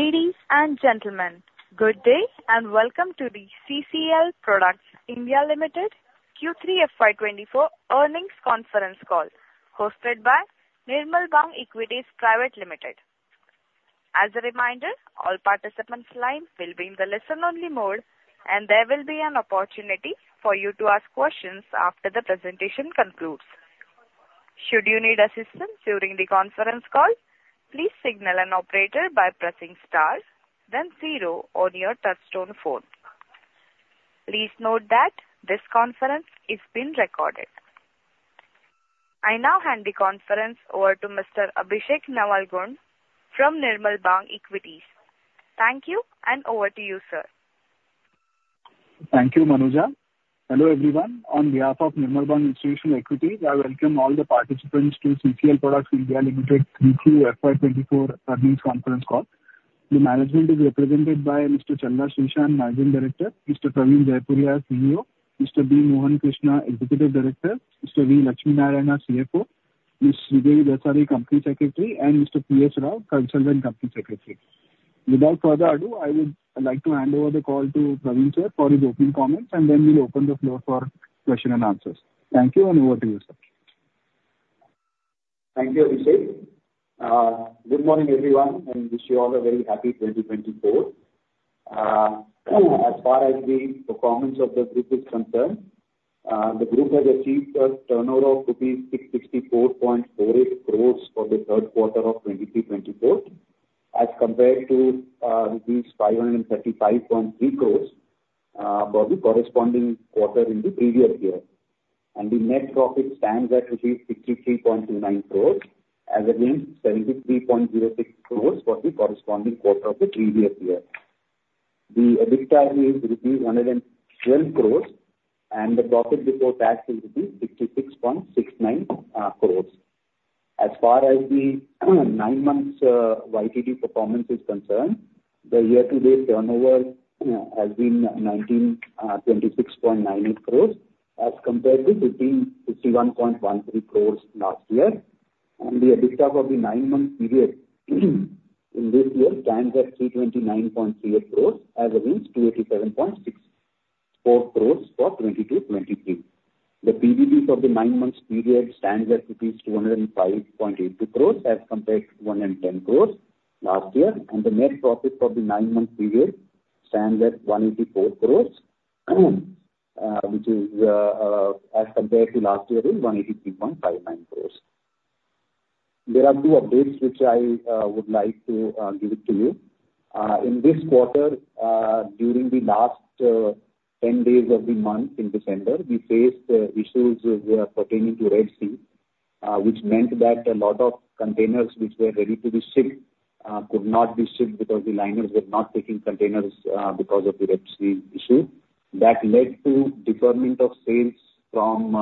Ladies and gentlemen, good day, and welcome to the CCL Products (India) Limited Q3 FY24 earnings conference call, hosted by Nirmal Bang Institutional Equities. As a reminder, all participants' lines will be in the listen only mode, and there will be an opportunity for you to ask questions after the presentation concludes. Should you need assistance during the conference call, please signal an operator by pressing star then zero on your touchtone phone. Please note that this conference is being recorded. I now hand the conference over to Mr. Abhishek Navalgund from Nirmal Bang Institutional Equities. Thank you, and over to you, sir. Thank you, Manuja. Hello, everyone. On behalf of Nirmal Bang Institutional Equities, I welcome all the participants to CCL Products (India) Limited Q3 FY24 earnings conference call. The management is represented by Mr. Challa Srishant, Managing Director, Mr. Praveen Jaipuriar, CEO, Mr. B. Mohan Krishna, Executive Director, Mr. V. Lakshmi Narayana, CFO, Ms. Sridevi Dasari, Company Secretary, and Mr. P. S. Rao, Consultant Company Secretary. Without further ado, I would like to hand over the call to Praveen sir for his opening comments, and then we'll open the floor for question and answers. Thank you, and over to you, sir. Thank you, Abhishek. Good morning, everyone, and wish you all a very happy 2024. As far as the performance of the group is concerned, the group has achieved a turnover of rupees 664.48 crore for the third quarter of 2023, 2024, as compared to 535.3 crore for the corresponding quarter in the previous year. The net profit stands at INR 63.29 crore, as against 73.06 crore for the corresponding quarter of the previous year. The EBITDA is rupees 112 crore, and the profit before tax is rupees 66.69 crore. As far as the nine months YTD performance is concerned, the year-to-date turnover has been 1,926.98 crores, as compared to 1,551.13 crores last year. The EBITDA for the nine-month period, in this year, stands at 329.38 crores as against 287.64 crores for 2022-23. The PBT for the nine months period stands at rupees 205.82 crores, as compared to 110 crores last year, and the net profit for the nine-month period stands at 184 crores, which is, as compared to last year is 183.59 crores. There are two updates which I would like to give it to you. In this quarter, during the last 10 days of the month in December, we faced issues pertaining to Red Sea, which meant that a lot of containers which were ready to be shipped could not be shipped because the liners were not taking containers because of the Red Sea issue. That led to deferment of sales from,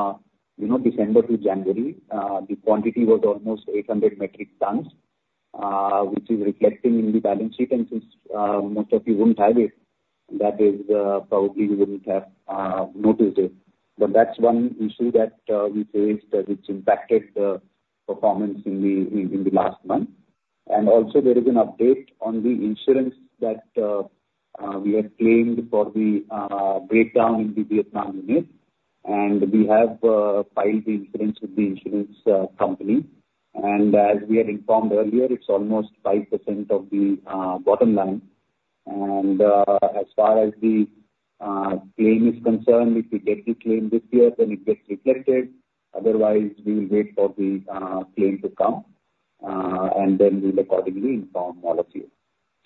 you know, December to January. The quantity was almost 800 metric tons, which is reflecting in the balance sheet. And since most of you wouldn't have it, that is, probably you wouldn't have noticed it. But that's one issue that we faced, which impacted the performance in the last month. Also there is an update on the insurance that we had claimed for the breakdown in the Vietnam unit, and we have filed the insurance with the insurance company. As we had informed earlier, it's almost 5% of the bottom line. As far as the claim is concerned, if we get the claim this year, then it gets reflected. Otherwise, we'll wait for the claim to come and then we'll accordingly inform all of you.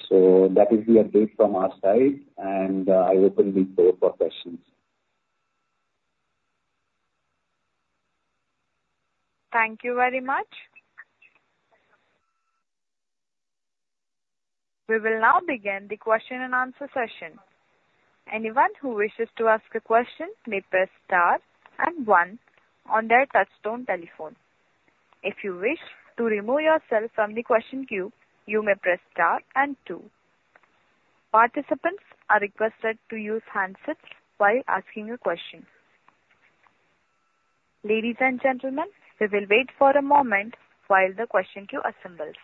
So that is the update from our side, and I open the floor for questions. Thank you very much. We will now begin the question and answer session. Anyone who wishes to ask a question may press star and one on their touchtone telephone. If you wish to remove yourself from the question queue, you may press star and two. Participants are requested to use handsets while asking a question. Ladies and gentlemen, we will wait for a moment while the question queue assembles.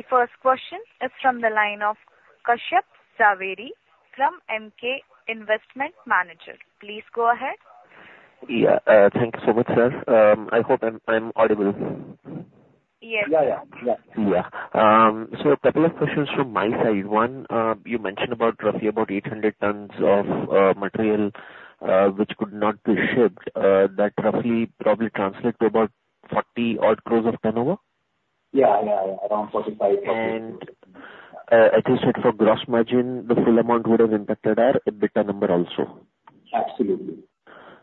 The first question is from the line of Kashyap Javeri from Emkay Investment Managers. Please go ahead. Yeah, thank you so much, sir. I hope I'm audible. Yes. Yeah, yeah. Yeah. Yeah. A couple of questions from my side. One, you mentioned about roughly about 800 tons of material, which could not be shipped. That roughly probably translate to about 40-odd crores of turnover? Yeah, yeah, yeah, around 45. I think for gross margin, the full amount would have impacted our EBITDA number also. Absolutely.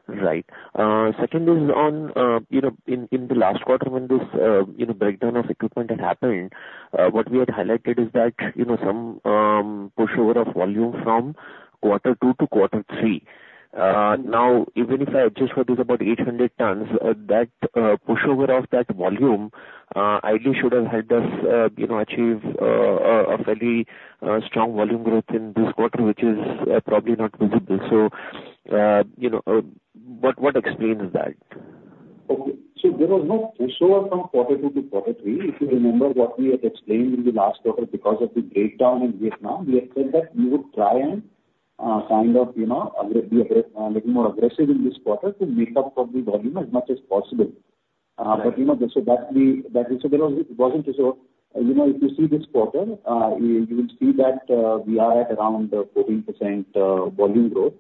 Right. Second is on, you know, in the last quarter when this breakdown of equipment had happened. What we had highlighted is that, you know, some push over of volume from quarter two to quarter three. Now, even if I adjust for this about 800 tons, that push over of that volume, ideally should have helped us, you know, achieve a fairly strong volume growth in this quarter, which is probably not visible. So, you know, what explains that? Okay. So there was no push over from quarter two to quarter three. If you remember what we had explained in the last quarter because of the breakdown in Vietnam, we had said that we would try and kind of, you know, be a little more aggressive in this quarter to make up for the volume as much as possible. But, you know, that was not so. You know, if you see this quarter, you will see that we are at around 14% volume growth.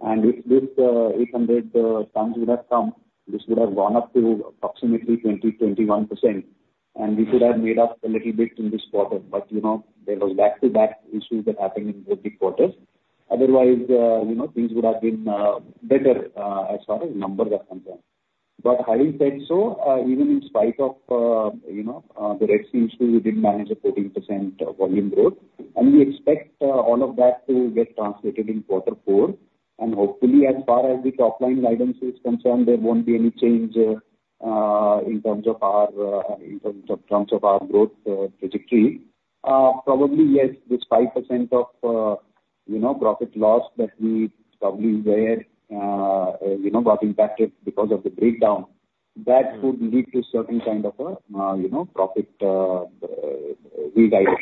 And if this 800 tons would have come, this would have gone up to approximately 20-21%, and we could have made up a little bit in this quarter. But, you know, there was back-to-back issues that happened in both the quarters. Otherwise, you know, things would have been better as far as numbers are concerned. But having said so, even in spite of you know, the Red Sea issue, we did manage a 14% volume growth, and we expect all of that to get translated in quarter four. And hopefully, as far as the top-line guidance is concerned, there won't be any change in terms of our, in terms of, terms of our growth trajectory. Probably, yes, this 5% of you know, profit loss that we probably were you know, got impacted because of the breakdown, that could lead to certain kind of a you know, profit re-guidance.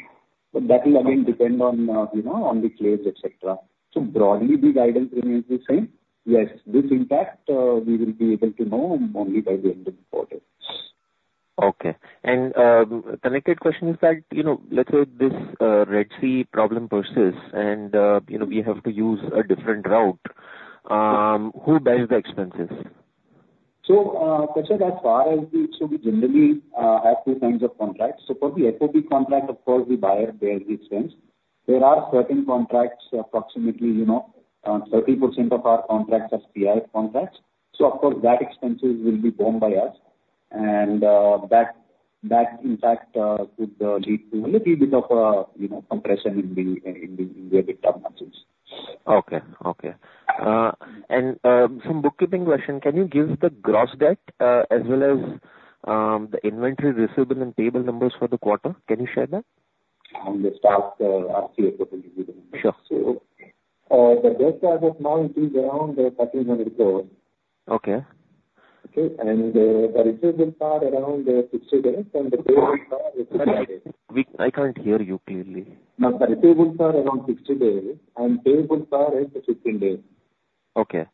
But that will again depend on you know, on the claims, et cetera. So broadly, the guidance remains the same. Yes, this impact, we will be able to know only by the end of the quarter. Okay. Connected question is that, you know, let's say this Red Sea problem persists and, you know, we have to use a different route, who bears the expenses? So, Kashyap, as far as the issue, we generally have two kinds of contracts. For the FOB contract, of course, the buyer bears the expense. There are certain contracts, approximately, you know, 30% of our contracts are CIF contracts, so of course, that expenses will be borne by us, and that impact could lead to a little bit of, you know, compression in the EBITDA margins. Okay, okay. Some bookkeeping question: Can you give the gross debt, as well as, the inventory receivable and payable numbers for the quarter? Can you share that? I'll just ask, ask CFO to read them. Sure. The debt as of now, it is around 1,300 crore. Okay. Okay, and the receivables are around 60 days, and the payables are Sorry, I can't hear you clearly. No, sorry, payables are around 60 days, and receivables are at 15 days. Okay.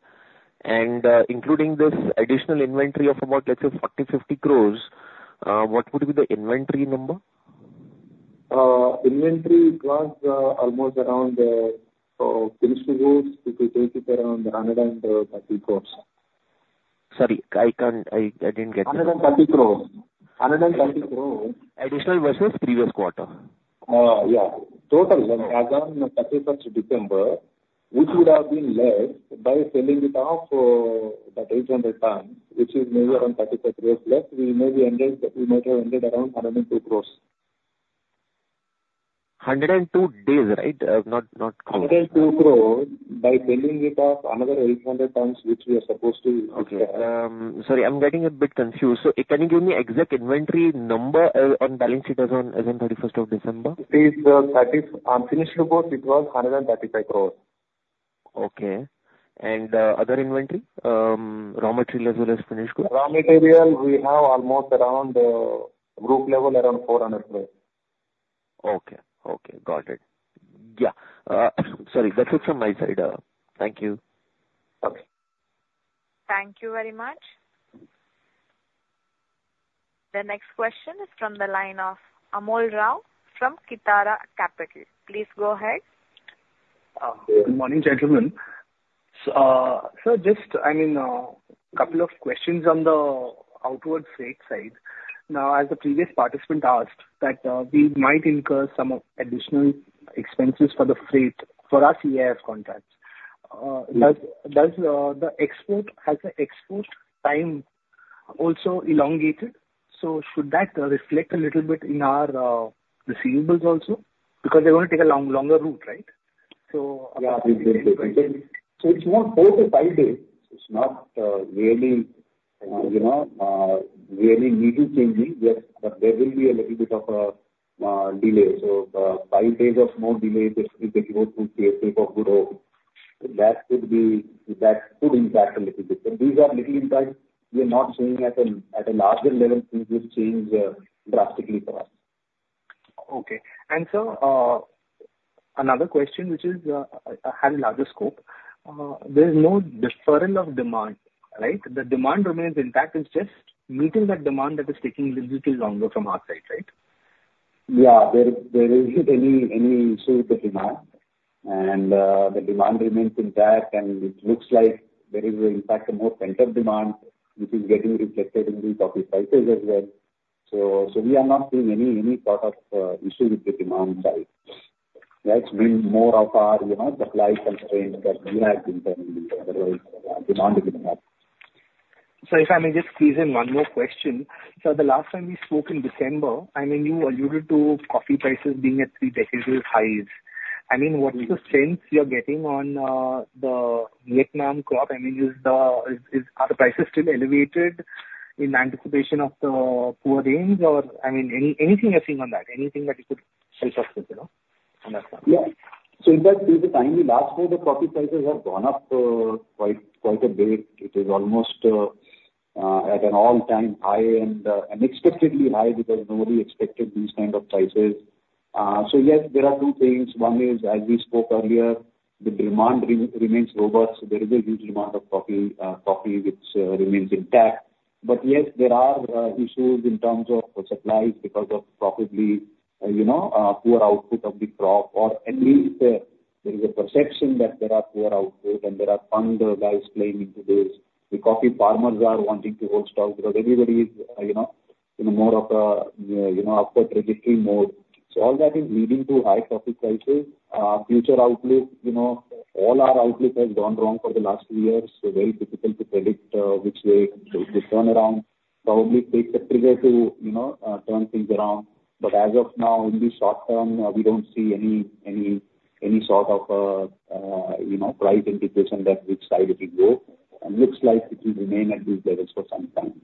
Including this additional inventory of about, let's say, 40 crore-50 crore, what would be the inventory number? Inventory was almost around finished goods, if we take it around INR 130 crore. Sorry, I can't... I didn't get you. INR 130 crore. INR 130 crore. Additional versus previous quarter. Yeah. Total as on 31st December, which would have been less by selling it off, that 800 tons, which is maybe around 35 crores less, we may be ended, we might have ended around 102 crores. 102 days, right? Not, not crores. 102 crore, by selling it off, another 800 tons, which we are supposed to- Okay. Sorry, I'm getting a bit confused. So can you give me exact inventory number on balance sheet as on thirty-first of December? It is 30. On finished goods, it was 135 crore. Okay. And, other inventory, raw material as well as finished goods? Raw material, we have almost around, group level, around 400 crore. Okay. Okay, got it. Yeah. Sorry, that's it from my side. Thank you. Okay. Thank you very much. The next question is from the line of Amol Rao from Kitara Capital. Please go ahead. Good morning, gentlemen. So, so just, I mean, couple of questions on the outward freight side. Now, as the previous participant asked, that we might incur some additional expenses for the freight for our CIF contracts. Yes. Does the export time also elongated? So should that reflect a little bit in our receivables also? Because they're going to take a longer route, right? So... Yeah. So it's more four to five days. It's not, really, you know, really major changing. Yes, but there will be a little bit of, delay. So, 5 days of more delay, this will take more to CIF of goods, that could be, that could impact a little bit. So these are little impact we are not seeing at a larger level, things will change, drastically for us. Okay. And sir, another question, which is, has larger scope. There is no deferral of demand, right? The demand remains intact, it's just meeting that demand that is taking a little bit longer from our side, right? Yeah. There isn't any issue with the demand. And the demand remains intact, and it looks like there is in fact a more pent-up demand, which is getting reflected in the coffee prices as well. So we are not seeing any part of issue with the demand side. That's been more of our, you know, supply constraints that we have been telling you, otherwise demand is enough.... So if I may just squeeze in one more question. So the last time we spoke in December, I mean, you alluded to coffee prices being at three-decade highs. I mean, what's the sense you're getting on the Vietnam crop? I mean, are the prices still elevated in anticipation of the poor rains, or I mean, anything you're seeing on that, anything that you could help us with, you know, on that one? Yeah. So in fact, since the time we last spoke, the coffee prices have gone up, quite, quite a bit. It is almost at an all-time high, and unexpectedly high, because nobody expected these kind of prices. So yes, there are two things. One is, as we spoke earlier, the demand remains robust. There is a huge demand of coffee, coffee, which remains intact. But yes, there are issues in terms of the supplies because of probably, you know, poor output of the crop, or at least there is a perception that there are poor output and there are fund guys playing into this. The coffee farmers are wanting to hold stock, because everybody is, you know, in a more of a, you know, of a trajectory mode. So all that is leading to high coffee prices. Future outlook, you know, all our outlook has gone wrong for the last few years, so very difficult to predict which way it will turn around. Probably takes a trigger to, you know, turn things around. But as of now, in the short term, we don't see any sort of, you know, price indication that which side it will go. It looks like it will remain at these levels for some time.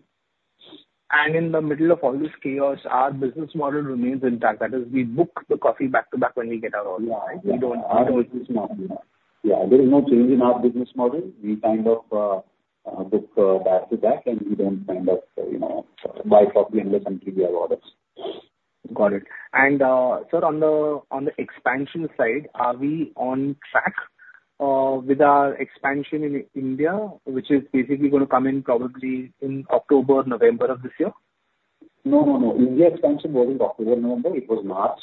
In the middle of all this chaos, our business model remains intact, that is, we book the coffee back-to-back when we get our order, right? Yeah, yeah. We don't Yeah, there is no change in our business model. We kind of book back-to-back, and we don't kind of you know buy coffee unless we have orders. Got it. And, sir, on the expansion side, are we on track with our expansion in India, which is basically gonna come in probably in October, November of this year? No, no, no. India expansion was in October, November. It was March.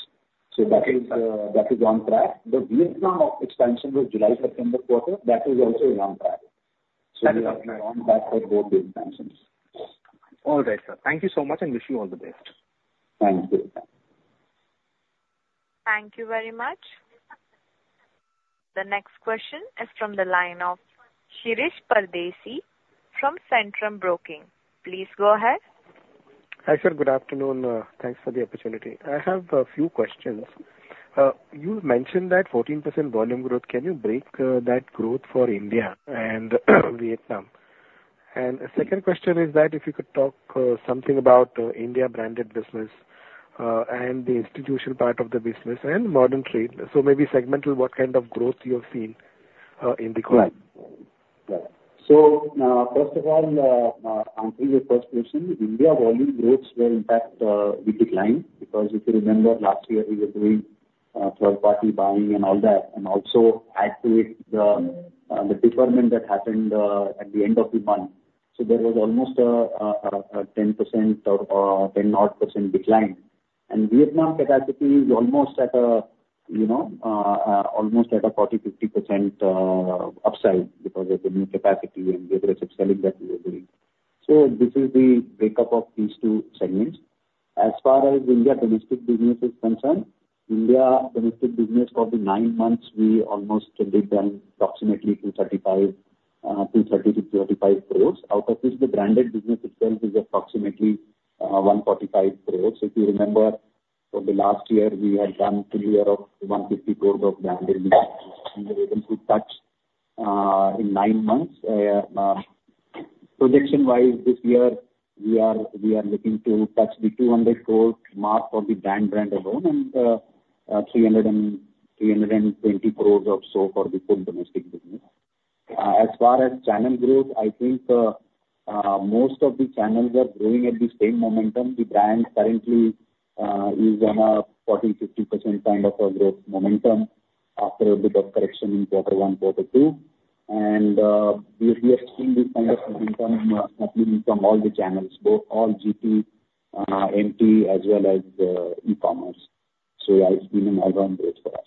So that is, that is on track. The Vietnam expansion was July, September quarter. That is also on track. That is on track. We are on track for both the expansions. All right, sir. Thank you so much, and wish you all the best. Thank you. Thank you very much. The next question is from the line of Shirish Pardesi from Centrum Broking. Please go ahead. Hi, sir. Good afternoon. Thanks for the opportunity. I have a few questions. You mentioned that 14% volume growth. Can you break that growth for India and Vietnam? And a second question is that if you could talk something about India branded business and the institutional part of the business and modern trade. So maybe segmental, what kind of growth you have seen in the quarter? Right. Right. So, first of all, answering your first question, India volume growth was, in fact, we declined, because if you remember last year, we were doing third-party buying and all that, and also activate the, the deferment that happened at the end of the month. So there was almost a 10% or ten odd percent decline. And Vietnam capacity is almost at a, you know, almost at a 40%-50% upside because of the new capacity and the aggressive selling that we are doing. So this is the breakup of these two segments. As far as India domestic business is concerned, India domestic business for the nine months, we almost did approximately 235 crores, 230-235 crores. Out of this, the branded business itself is approximately 145 crores. If you remember, for the last year, we had done full year of 150 crores of branded business. We were able to touch in nine months. Projection-wise, this year, we are looking to touch the 200 crores mark for the brand alone, and 320 crores or so for the full domestic business. As far as channel growth, I think most of the channels are growing at the same momentum. The brand currently is on a 40%-50% kind of a growth momentum after a bit of correction in quarter one, quarter two. And we are seeing this kind of momentum happening from all the channels, both all GT, MT, as well as e-commerce. So that's been an all-round growth for us.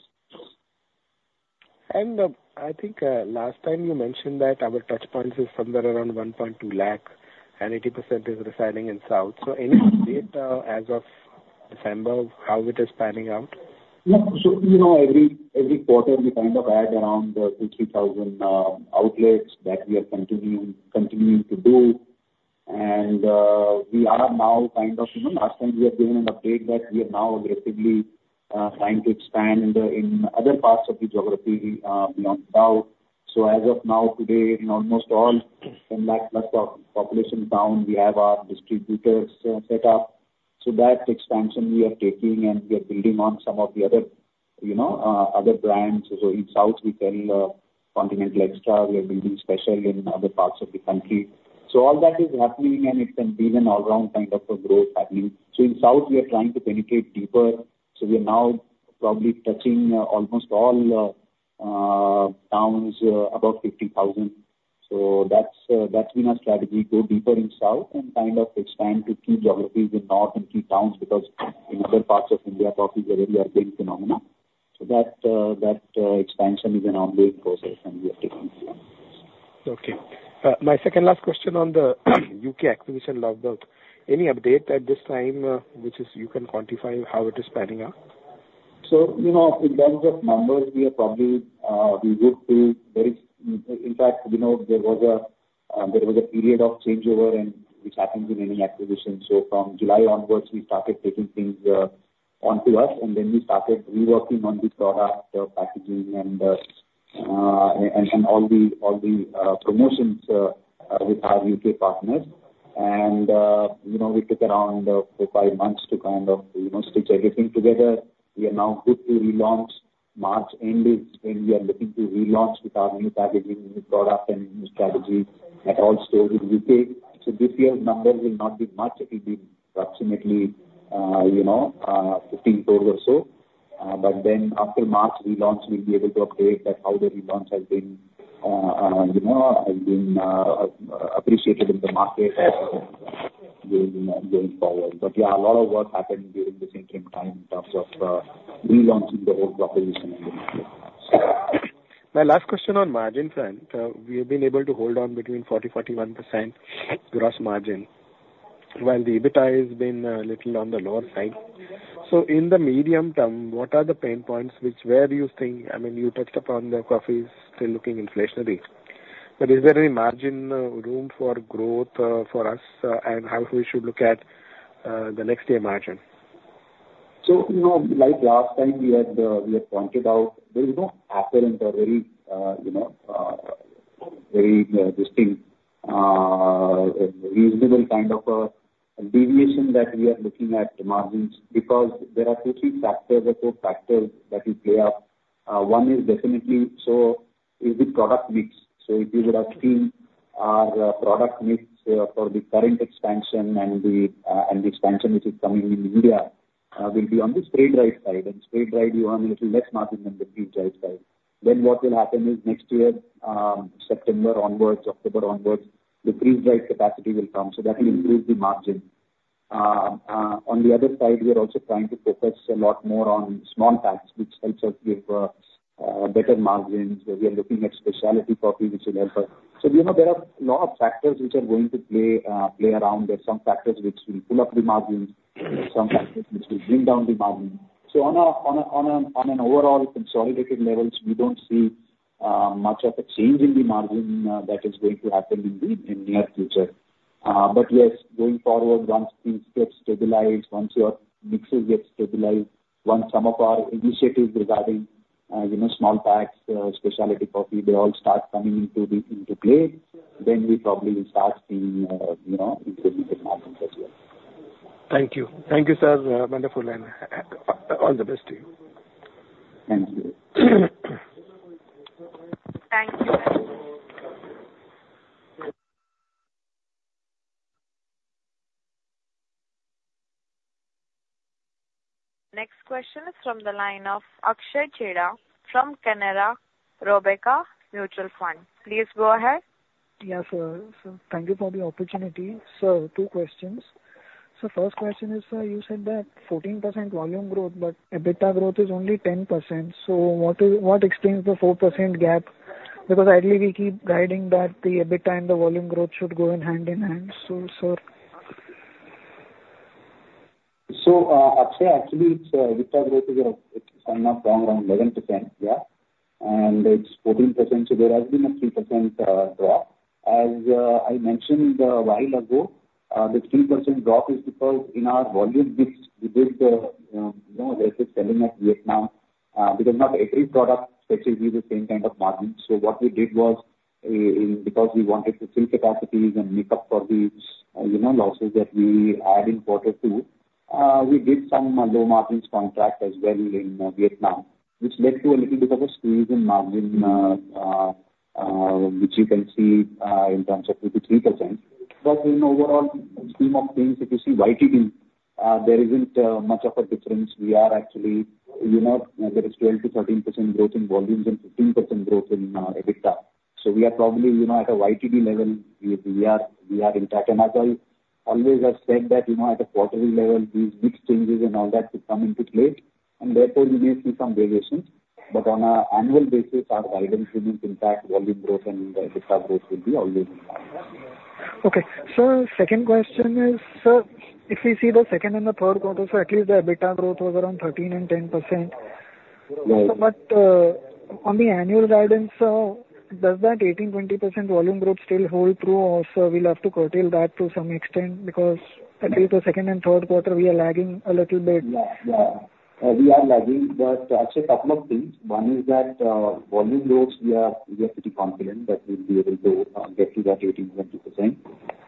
I think, last time you mentioned that our touchpoints is somewhere around 1.2 lakh, and 80% is residing in South. Mm-hmm. Any update, as of December, how it is panning out? Yeah. So, you know, every quarter, we kind of add around 50,000 outlets that we are continuing to do. And we are now kind of, you know. Last time we have given an update that we are now aggressively trying to expand in other parts of the geography beyond South. So as of now, today, in almost all 10 lakh-plus population towns, we have our distributors set up. So that expansion we are taking, and we are building on some of the other, you know, other brands. So in South, we sell Continental Xtra. We are building Speciale in other parts of the country. So all that is happening, and it's been an all-round kind of a growth happening. So in South, we are trying to penetrate deeper. So we are now probably touching almost all towns above 50,000. So that's been our strategy, go deeper in South and kind of expand to key geographies in North and key towns, because in other parts of India, coffee is a very emerging phenomenon. So that expansion is an ongoing process, and we are taking it slow. Okay. My second last question on the U.K. acquisition, Percol. Any update at this time, which is, you can quantify how it is panning out? ...So, you know, in terms of numbers, we are probably, we look to very, in fact, you know, there was a period of changeover and which happens in any acquisition. So from July onwards, we started taking things onto us, and then we started reworking on the product, the packaging, and, and all the promotions with our UK partners. And, you know, we took around 4-5 months to kind of, you know, stitch everything together. We are now good to relaunch March end, and we are looking to relaunch with our new packaging, new product and new strategy at all stores in UK. So this year's numbers will not be much. It'll be approximately, you know, 15 crore or so. But then after March relaunch, we'll be able to update that how the relaunch has been, you know, appreciated in the market going forward. But, yeah, a lot of work happened during this interim time in terms of relaunching the whole proposition in the market. My last question on margin front, we have been able to hold on between 40%-41% gross margin, while the EBITDA has been little on the lower side. So in the medium term, what are the pain points where do you think... I mean, you touched upon the coffee is still looking inflationary, but is there any margin room for growth for us, and how we should look at the next year margin? So, you know, like last time we had pointed out, there is no apparent or very, you know, very distinct reasonable kind of a deviation that we are looking at margins, because there are two, three factors or four factors that will play out. One is definitely the product mix. So if you would have seen our product mix, for the current expansion and the expansion which is coming in India, will be on the spray-dried side, and spray-dried you earn little less margin than the freeze-dried side. Then what will happen is next year, September onwards, October onwards, the freeze-dried capacity will come, so that will improve the margin. On the other side, we are also trying to focus a lot more on small packs, which helps us give better margins, where we are looking at specialty coffee which will help us. So we know there are a lot of factors which are going to play around. There's some factors which will pull up the margins, and some factors which will bring down the margin. So on an overall consolidated levels, we don't see much of a change in the margin that is going to happen in the near future. But yes, going forward, once things get stabilized, once your mixes get stabilized, once some of our initiatives regarding, you know, small packs, specialty coffee, they all start coming into the, into play, then we probably will start seeing, you know, improvement in margins as well. Thank you. Thank you, sir. Wonderful, and all the best to you. Thank you. Thank you. Next question is from the line of Akshay Chheda, from Canara Robeco Mutual Fund. Please go ahead. Yeah, sir. So thank you for the opportunity. Sir, two questions. First question is, sir, you said that 14% volume growth, but EBITDA growth is only 10%. What is, what explains the 4% gap? Because ideally, we keep guiding that the EBITDA and the volume growth should go in hand in hand. So, sir? So, Akshay, actually, it's EBITDA growth is, if I'm not wrong, around 11%. Yeah. And it's 14%, so there has been a 3% drop. As I mentioned a while ago, the 3% drop is because in our volume mix, we did, you know, let's say, selling at Vietnam, because not every product basically the same kind of margin. So what we did was, in, because we wanted to fill capacities and make up for the, you know, losses that we had in quarter two, we did some low margins contract as well in Vietnam, which led to a little bit of a squeeze in margin, which you can see in terms of 2%-3%. But in overall scheme of things, if you see YTD, there isn't much of a difference. We are actually, you know, there is 12%-13% growth in volumes and 15% growth in EBITDA. So we are probably, you know, at a YTD level, we, we are, we are in track. And as I always have said that, you know, at a quarterly level, these mix changes and all that could come into play, and therefore, you may see some variations. But on an annual basis, our guidance remains intact. Volume growth and the EBITDA growth will be always in track. Okay. Sir, second question is, sir, if we see the second and the third quarter, so at least the EBITDA growth was around 13% and 10%. Right. On the annual guidance, does that 18%-20% volume growth still hold true, or, sir, we'll have to curtail that to some extent? Because at least the second and third quarter, we are lagging a little bit. Yeah. Yeah. We are lagging, but actually couple of things. One is that, volume growth, we are pretty confident that we'll be able to get to that 18%-20%.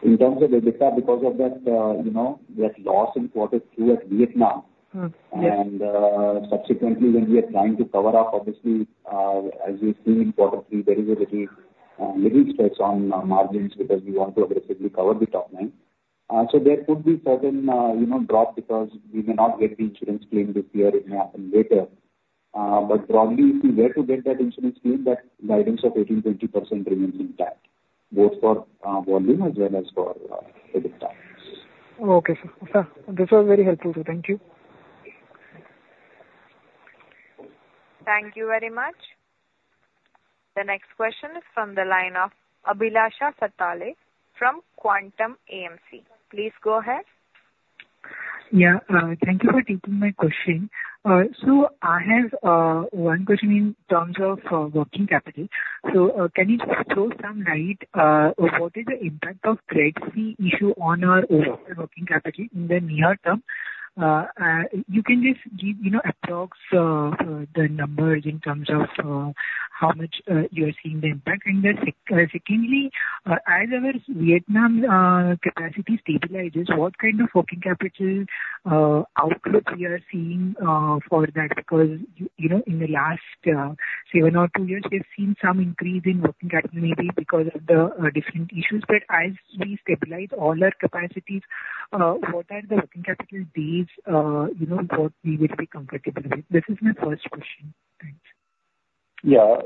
In terms of EBITDA, because of that, you know, that loss in quarter two at Vietnam. Mm-hmm. Yeah. Subsequently, when we are trying to cover up, obviously, as we see in quarter three, there is a very little stress on margins because we want to aggressively cover the top line. So there could be certain, you know, drop because we may not get the insurance claim this year, it may happen later. But probably if we were to get that insurance claim, that guidance of 18%-20% remains intact, both for volume as well as for EBITDA. Okay, sir. This was very helpful, sir. Thank you. Thank you very much. The next question is from the line of Abhilasha Satale from Quantum AMC. Please go ahead. Yeah, thank you for taking my question. So I have one question in terms of working capital. So, can you just throw some light, what is the impact of Red Sea issue on our overall working capital in the near term? You can just give, you know, approx, the numbers in terms of, how much, you are seeing the impact. And then, secondly, as our Vietnam capacity stabilizes, what kind of working capital outlook we are seeing for that? Because, you know, in the last 7 or 2 years, we have seen some increase in working capital, maybe because of the different issues. But as we stabilize all our capacities, what are the working capital days, you know, what we would be comfortable with? This is my first question. Thanks. Yeah.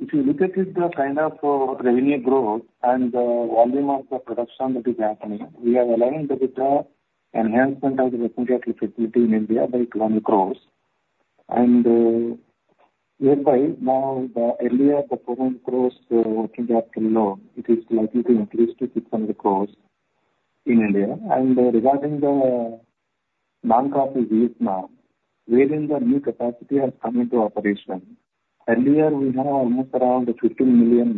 If you look at it, the kind of revenue growth and the volume of the production that is happening, we have aligned with the enhancement of the working capital facility in India by INR 1 crore. Whereby now, the earlier INR 400 crore working capital loan, it is likely to increase to 600 crore in India. Regarding the Ngon Coffee Vietnam, wherein the new capacity has come into operation, earlier we had almost around $15 million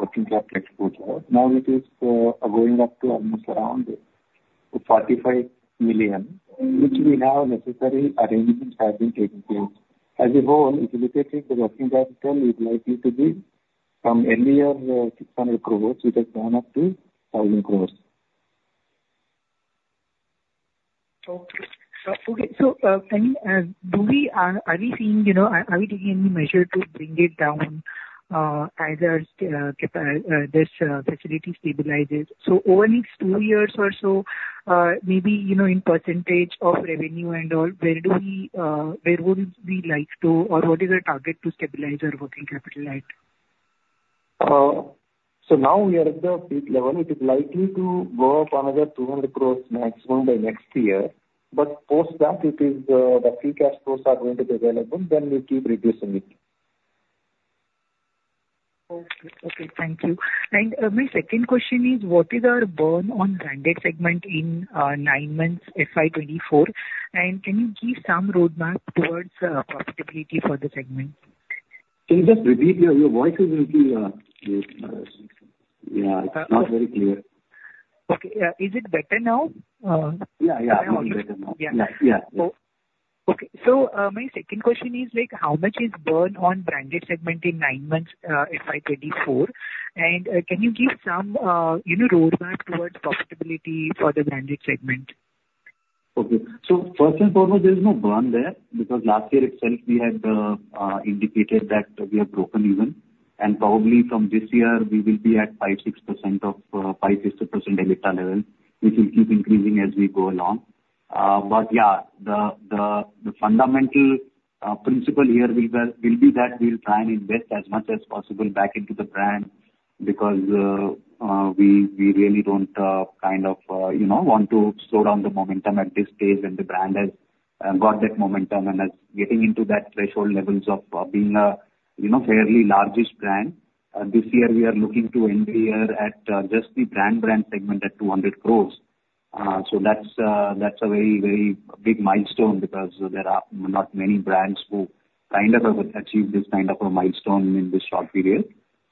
working capital exposure. Now it is going up to almost around $45 million, which we have necessary arrangements have been taken care. As a whole, if you look at it, the working capital is likely to be from earlier 600 crore, which has gone up to 1,000 crore. Okay. So, okay. So, are we seeing, you know, are we taking any measure to bring it down, as our capacity this facility stabilizes? So over next two years or so, maybe, you know, in percentage of revenue and all, where do we, where would we like to, or what is our target to stabilize our working capital at? So now we are at the peak level. It is likely to go up another 200 crore maximum by next year, but post that it is, the free cash flows are going to be available, then we keep reducing it. Okay. Okay, thank you. My second question is, what is our burn on branded segment in 9 months, FY 2024? Can you give some roadmap towards profitability for the segment? Can you just repeat? Your voice is little. Yeah, it's not very clear. Okay. Yeah. Is it better now? Yeah, yeah, much better now. Yeah. Yeah, yeah. Okay. So, my second question is, like, how much is burn on branded segment in nine months, FY 2024? And, can you give some, you know, roadmap towards profitability for the branded segment? Okay. So first and foremost, there is no burn there, because last year itself we had indicated that we have broken even. And probably from this year, we will be at 5%-6% of 5%-6% EBITDA level, which will keep increasing as we go along. But yeah, the fundamental principle here will be that we'll try and invest as much as possible back into the brand, because we really don't kind of you know want to slow down the momentum at this stage. And the brand has got that momentum and is getting into that threshold levels of being a you know fairly largest brand. This year, we are looking to end the year at just the brand brand segment at 200 crore. So that's a very, very big milestone because there are not many brands who kind of have achieved this kind of a milestone in this short period.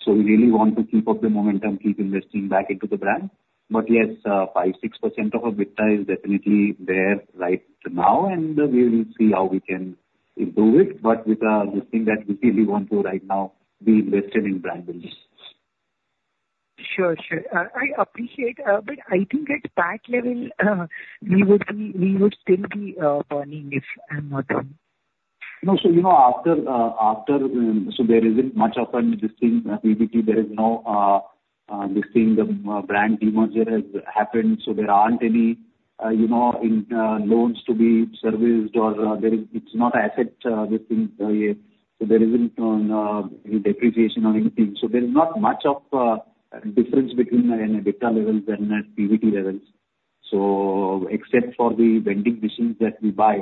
So we really want to keep up the momentum, keep interest in back into the brand. But yes, 5%-6% of our EBITDA is definitely there right now, and we will see how we can improve it, but with the thing that we really want to right now be invested in brand building. Sure, sure. I appreciate, but I think at PAT level, we would be, we would still be burning, if I'm not wrong. No. So, you know, after so there isn't much of a interest in PBT. There is no this thing, the brand demerger has happened, so there aren't any you know loans to be serviced or there is, it's not asset this thing. So there isn't any depreciation or anything. So there is not much of difference between an EBITDA levels and a PBT levels. So except for the vending machines that we buy,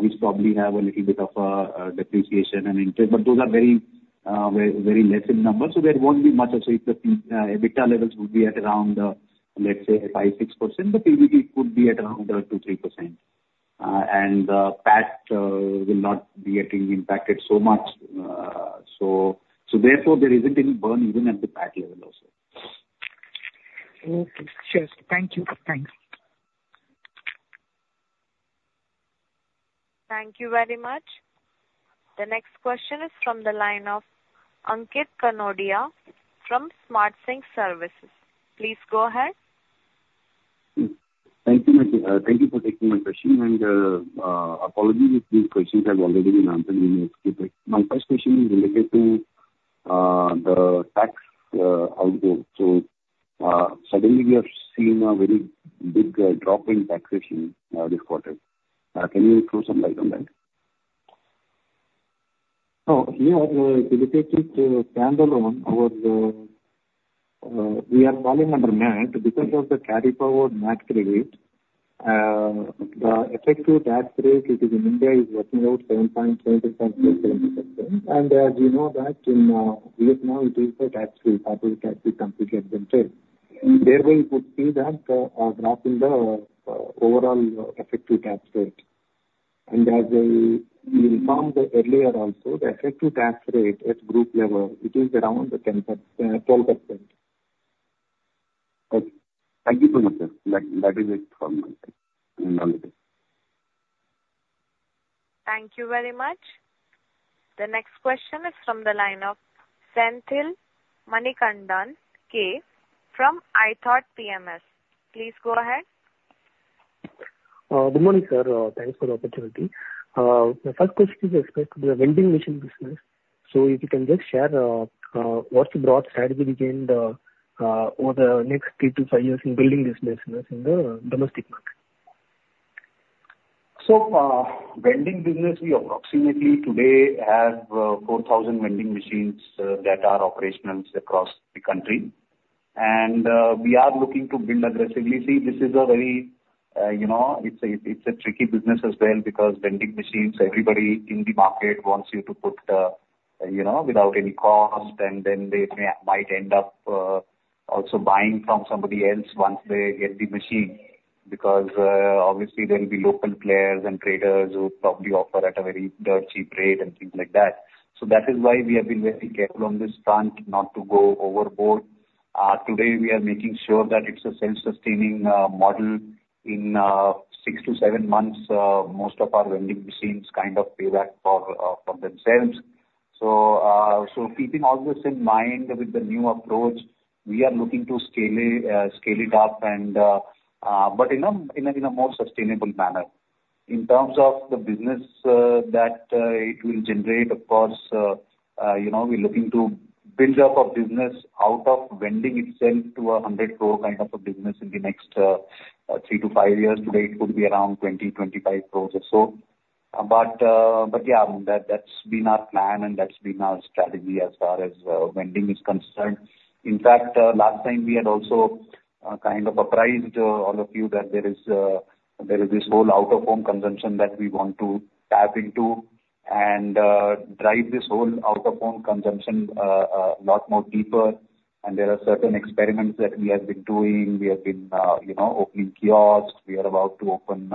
which probably have a little bit of depreciation and interest, but those are very, very, very less in number, so there won't be much of it. EBITDA levels would be at around, let's say 5%-6%, but PBT could be at around 2%-3%. PAT will not be getting impacted so much. Therefore, there isn't any burn even at the PAT level also. Okay. Sure. Thank you. Thanks. Thank you very much. The next question is from the line of Ankit Kanodia from SmartSync Services. Please go ahead. Thank you, thank you for taking my question. Apologies if these questions have already been answered in your script. My first question is related to the tax outlook. Suddenly we have seen a very big drop in taxation this quarter. Can you throw some light on that? Oh, yeah, if you take it standalone, we are falling under MAT because of the carry forward MAT credit, the effective tax rate it is in India is working out 7.4%. And as you know that in Vietnam, it is tax free, corporate tax is completely exempted. There we would see that a drop in the overall effective tax rate. And as I informed earlier also, the effective tax rate at group level, it is around 10%-12%. Thank you so much, sir. That, that is it from my side. Thank you very much. The next question is from the line of Senthil Manikandan K from iThought PMS. Please go ahead. Good morning, sir. Thanks for the opportunity. My first question is with respect to the vending machine business. So if you can just share what's the broad strategy over the next 3-5 years in building this business in the domestic market? So, vending business, we approximately today have 4,000 vending machines that are operational across the country. And, we are looking to build aggressively. See, this is a very, you know, it's a, it's a tricky business as well, because vending machines, everybody in the market wants you to put, you know, without any cost, and then they might end up also buying from somebody else once they get the machine. Because, obviously there will be local players and traders who probably offer at a very dirt cheap rate and things like that. So that is why we have been very careful on this front, not to go overboard. Today, we are making sure that it's a self-sustaining model. In 6-7-months, most of our vending machines kind of pay back for themselves. So, keeping all this in mind with the new approach, we are looking to scale it, scale it up and... but in a more sustainable manner. In terms of the business, that it will generate, of course, you know, we're looking to build up a business out of vending itself to 100 crore kind of a business in the next, 3-5-years. Today, it could be around 20-25 crore or so. But, but yeah, that, that's been our plan and that's been our strategy as far as, vending is concerned. In fact, last time we had also kind of apprised all of you that there is this whole out-of-home consumption that we want to tap into and drive this whole out-of-home consumption a lot more deeper. There are certain experiments that we have been doing. We have been you know opening kiosks. We are about to open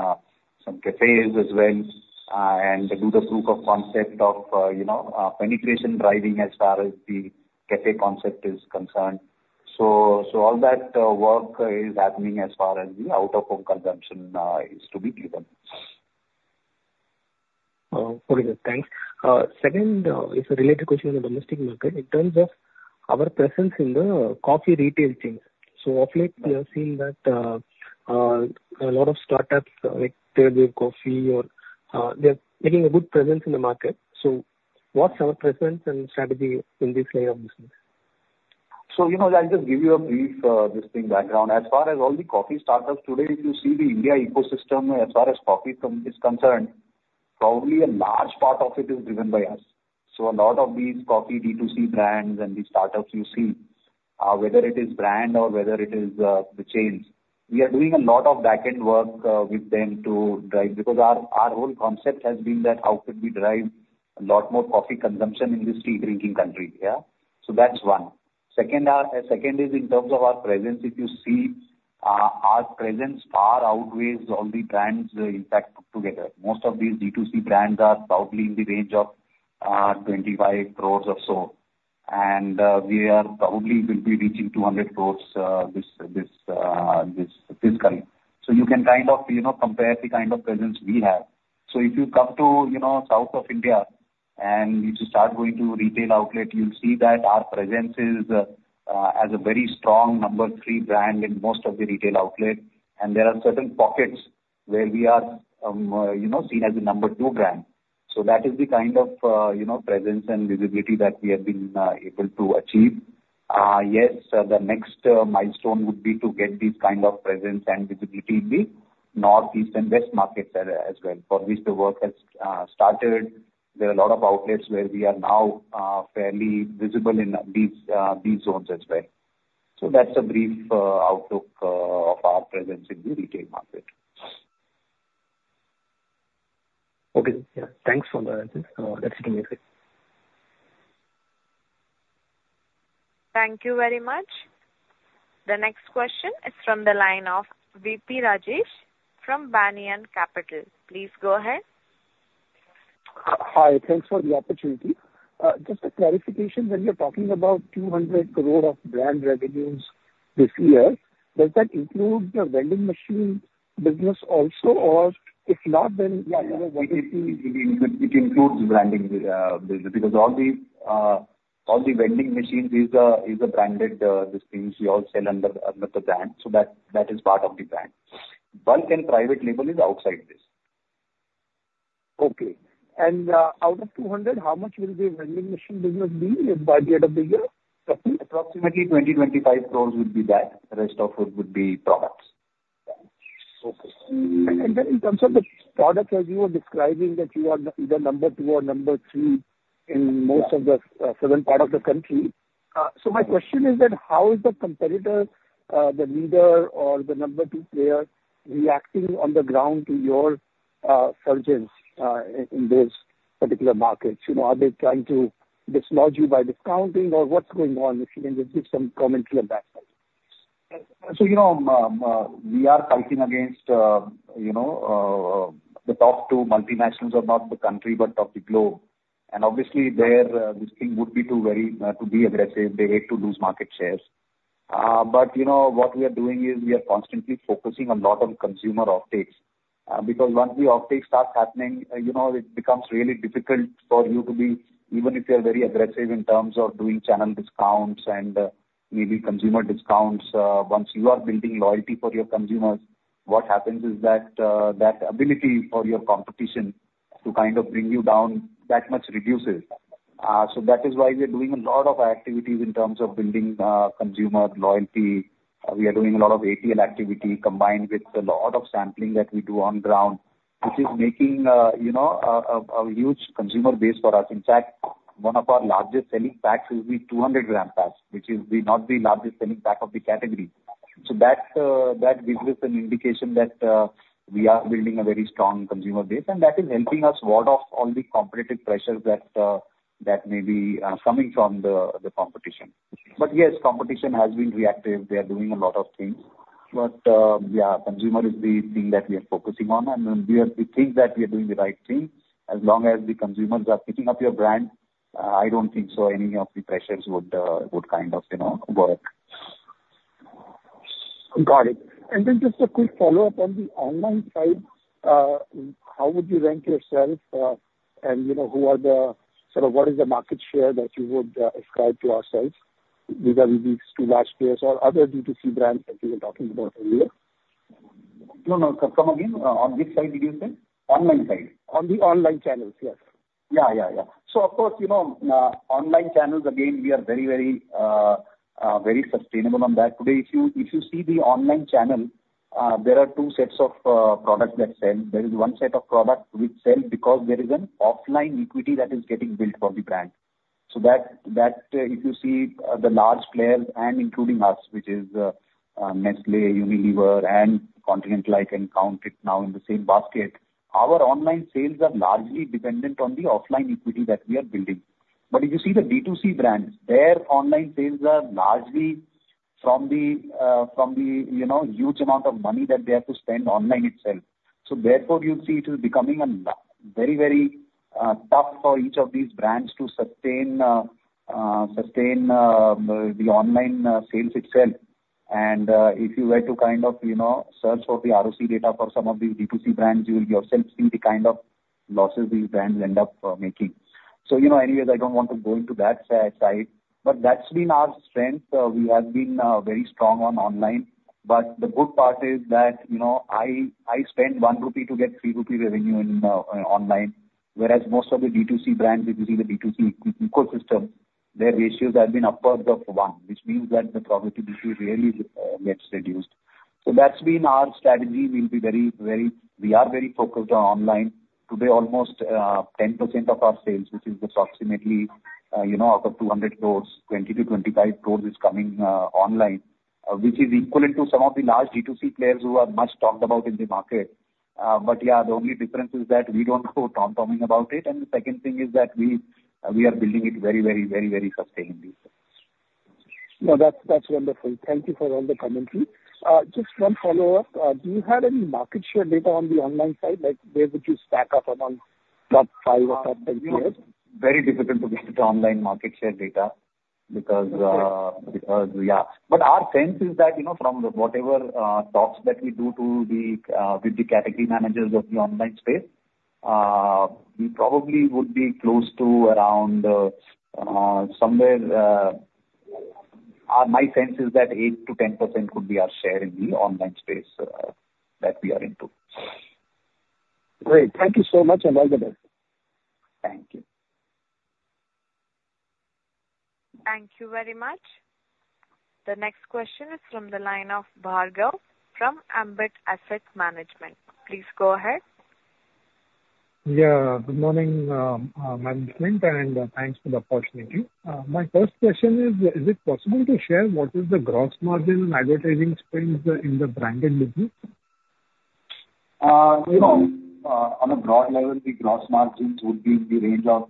some cafes as well and do the proof of concept of you know penetration driving as far as the cafe concept is concerned. So all that work is happening as far as the out-of-home consumption is to be given. Okay. Thanks. Second, is a related question on the domestic market. In terms of our presence in the coffee retail chain. So of late, we have seen that, a lot of startups like Third Wave Coffee or, they're making a good presence in the market. So what's our presence and strategy in this layer of business? So, you know, I'll just give you a brief listing background. As far as all the coffee startups today, if you see the India ecosystem, as far as coffee consumption is concerned, probably a large part of it is driven by us. So a lot of these coffee D2C brands and these startups you see, whether it is brand or whether it is the chains, we are doing a lot of back-end work with them to drive, because our, our whole concept has been that how could we drive a lot more coffee consumption in this tea-drinking country, yeah? So that's one. Second, second is in terms of our presence. If you see, our presence far outweighs all the brands, in fact, together. Most of these D2C brands are probably in the range of 25 crore or so. We are probably will be reaching 200 crore this fiscal year. So you can kind of, you know, compare the kind of presence we have. So if you come to, you know, south of India, and if you start going to retail outlet, you'll see that our presence is as a very strong number three brand in most of the retail outlet. And there are certain pockets where we are, you know, seen as a number two brand. So that is the kind of, you know, presence and visibility that we have been able to achieve. Yes, the next milestone would be to get this kind of presence and visibility in the north, east, and west markets as well, for which the work has started. There are a lot of outlets where we are now fairly visible in these zones as well. So that's a brief outlook of our presence in the retail market. Okay, sir. Yeah, thanks for the, that's it from my side. Thank you very much. The next question is from the line of VP Rajesh from Banyan Capital. Please go ahead. Hi, thanks for the opportunity. Just a clarification, when you're talking about 200 crore of brand revenues this year, does that include your vending machine business also? Or if not, then, yeah, you know, what- It includes branding, because all the vending machines is a branded, this means we all sell under the brand, so that is part of the brand. Bulk and private label is outside this. Okay. And, out of 200, how much will the vending machine business be by the end of the year? Approximately 20-25 crore would be that. The rest of it would be products. Okay. And then in terms of the products that you were describing, that you are the number two or number three in most of the southern part of the country. So my question is that how is the competitor, the leader or the number two player reacting on the ground to your surgence in those particular markets? You know, are they trying to dislodge you by discounting, or what's going on, if you can just give some commentary on that side? So, you know, we are fighting against, you know, the top two multinationals of not the country, but of the globe. And obviously, their listing would be to very, to be aggressive. They hate to lose market shares. But, you know, what we are doing is we are constantly focusing a lot on consumer off-takes. Because once the off-takes starts happening, you know, it becomes really difficult for you to be, even if you are very aggressive in terms of doing channel discounts and, maybe consumer discounts. Once you are building loyalty for your consumers, what happens is that, that ability for your competition to kind of bring you down, that much reduces. So that is why we are doing a lot of activities in terms of building, consumer loyalty. We are doing a lot of ATL activity, combined with a lot of sampling that we do on ground, which is making, you know, a huge consumer base for us. In fact, one of our largest selling packs will be 200-gram packs, which is, not the largest selling pack of the category. So that gives us an indication that we are building a very strong consumer base, and that is helping us ward off all the competitive pressures that may be coming from the competition. But yes, competition has been reactive. They are doing a lot of things, but yeah, consumer is the thing that we are focusing on, and we are. We think that we are doing the right thing. As long as the consumers are picking up your brand, I don't think so any of the pressures would kind of, you know, work. Got it. And then just a quick follow-up on the online side. How would you rank yourself, and you know, who are the, sort of, what is the market share that you would ascribe to ourselves vis-a-vis these two large players or other D2C brands that we were talking about earlier? No, no. Come again. On which side did you say? Online side. On the online channels, yes. Yeah, yeah, yeah. So of course, you know, online channels, again, we are very, very, very sustainable on that. Today, if you, if you see the online channel, there are two sets of products that sell. There is one set of products which sell because there is an offline equity that is getting built for the brand. So that, that, if you see, the large players and including us, which is, Nestlé, Unilever and Continental, I can count it now in the same basket, our online sales are largely dependent on the offline equity that we are building. But if you see the D2C brands, their online sales are largely from the, from the, you know, huge amount of money that they have to spend online itself. So therefore, you see it is becoming a very, very tough for each of these brands to sustain the online sales itself. And if you were to kind of, you know, search for the ROC data for some of these D2C brands, you will yourself see the kind of losses these brands end up making. So, you know, anyways, I don't want to go into that side, but that's been our strength. We have been very strong on online, but the good part is that, you know, I spend 1 rupee to get 3 rupee revenue in online, whereas most of the D2C brands, if you see the D2C ecosystem, their ratios have been upwards of 1, which means that the profitability really gets reduced. So that's been our strategy. We'll be very, very... We are very focused on online. Today, almost 10% of our sales, which is approximately, you know, out of 200 crore, 20-25 crore is coming online, which is equivalent to some of the large D2C players who are much talked about in the market. But yeah, the only difference is that we don't go tom-tomming about it, and the second thing is that we, we are building it very, very, very, very sustainably. No, that's, that's wonderful. Thank you for all the commentary. Just one follow-up. Do you have any market share data on the online side, like, where would you stack up among the top five or top ten players? Very difficult to get the online market share data because- Okay. Because, yeah. But our sense is that, you know, from whatever talks that we do to the, with the category managers of the online space, we probably would be close to around somewhere my sense is that 8%-10% would be our share in the online space that we are into. Great. Thank you so much, and have a good day. Thank you. Thank you very much. The next question is from the line of Bhargav from Ambit Asset Management. Please go ahead. Yeah, good morning, management, and thanks for the opportunity. My first question is, is it possible to share what is the gross margin in advertising spends in the branded business? You know, on a broad level, the gross margins would be in the range of...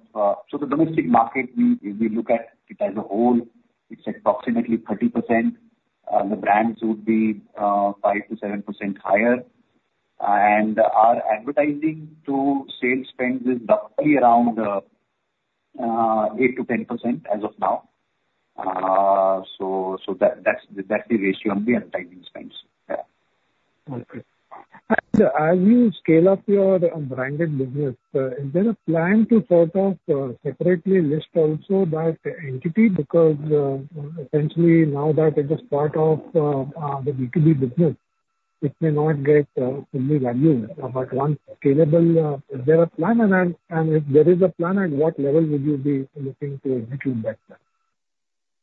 So the domestic market, we, if we look at it as a whole, it's approximately 30%. The brands would be five to seven percent higher. And our advertising to sales spends is roughly around eight to ten percent as of now. So, so that, that's the, that's the ratio on the advertising spends. Yeah. Okay. And as you scale up your branded business, is there a plan to sort of separately list also that entity? Because essentially, now that it is part of the B2B business, it may not get fully valued, but one scalable, is there a plan? And, and if there is a plan, at what level would you be looking to execute that plan?...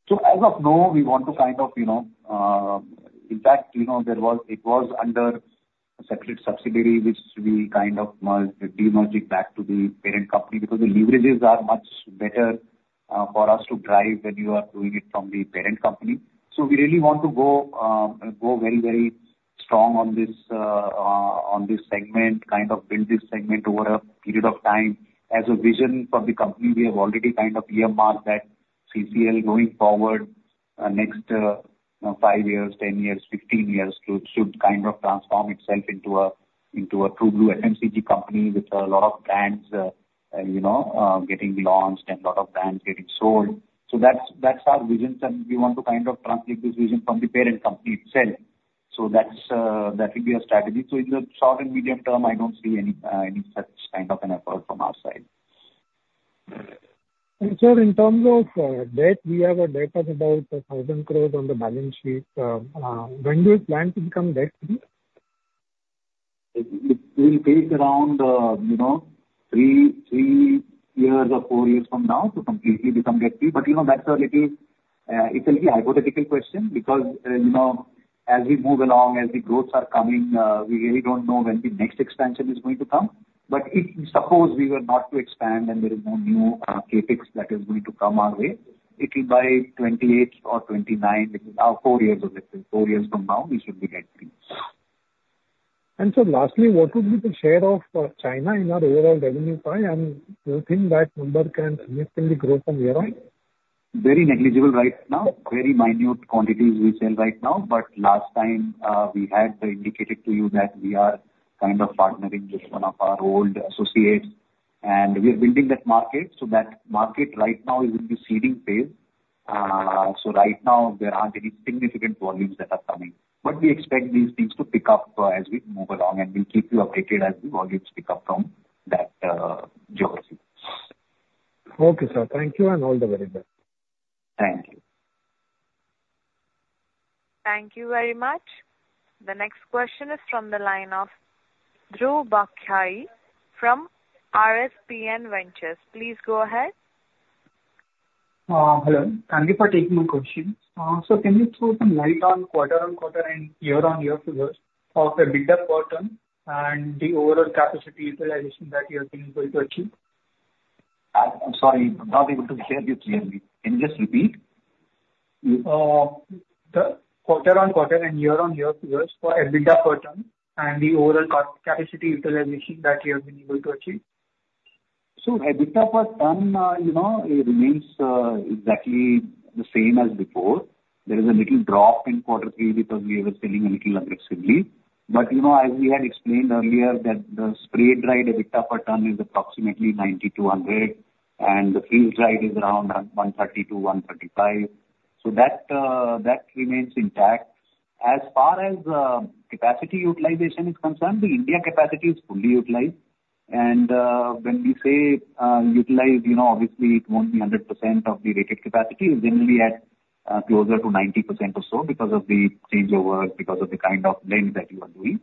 So as of now, we want to kind of, you know, in fact, you know, there was, it was under a separate subsidiary which we kind of demerging back to the parent company, because the leverages are much better, for us to drive when you are doing it from the parent company. So we really want to go, go very, very strong on this, on this segment, kind of build this segment over a period of time. As a vision for the company, we have already kind of earmarked that CCL going forward, next, you know, 5 years, 10 years, 15 years, should, should kind of transform itself into a, into a true blue FMCG company with a lot of brands, you know, getting launched and lot of brands getting sold. So that's, that's our vision, and we want to kind of translate this vision from the parent company itself. So that's, that will be our strategy. So in the short and medium term, I don't see any, any such kind of an effort from our side. Sir, in terms of debt, we have a debt of about 1,000 crore on the balance sheet. When do you plan to become debt-free? It will take around, you know, three years or four years from now to completely become debt free. But, you know, that's a little, it's a hypothetical question, because, you know, as we move along, as the growths are coming, we really don't know when the next expansion is going to come. But if suppose we were not to expand and there is no new CapEx that is going to come our way, it will by 2028 or 2029, which is now 4 years, 4 years from now, we should be debt free. Sir, lastly, what would be the share of China in our overall revenue pie, and do you think that number can significantly grow from here on? Very negligible right now. Very minute quantities we sell right now, but last time, we had indicated to you that we are kind of partnering with one of our old associates, and we are building that market. So that market right now is in the seeding phase. So right now there aren't any significant volumes that are coming, but we expect these things to pick up, as we move along, and we'll keep you updated as the volumes pick up from that geography. Okay, sir. Thank you, and all the very best. Thank you. Thank you very much. The next question is from the line of Dhruv Bakhai from RSPN Ventures. Please go ahead. Hello. Thank you for taking my question. So can you throw some light on quarter-on-quarter and year-on-year figures of the EBITDA per ton and the overall capacity utilization that you are going to be able to achieve? I'm sorry, I'm not able to hear you clearly. Can you just repeat? The quarter-on-quarter and year-on-year figures for EBITDA per ton and the overall capacity utilization that you have been able to achieve. So EBITDA per ton, you know, it remains exactly the same as before. There is a little drop in quarter three because we were selling a little aggressively. But, you know, as we had explained earlier, that the spray-dried EBITDA per ton is approximately 90-100, and the freeze-dried is around 130-135. So that remains intact. As far as capacity utilization is concerned, the India capacity is fully utilized. And when we say utilized, you know, obviously it won't be 100% of the rated capacity. It will be at closer to 90% or so because of the changeover, because of the kind of blends that you are doing.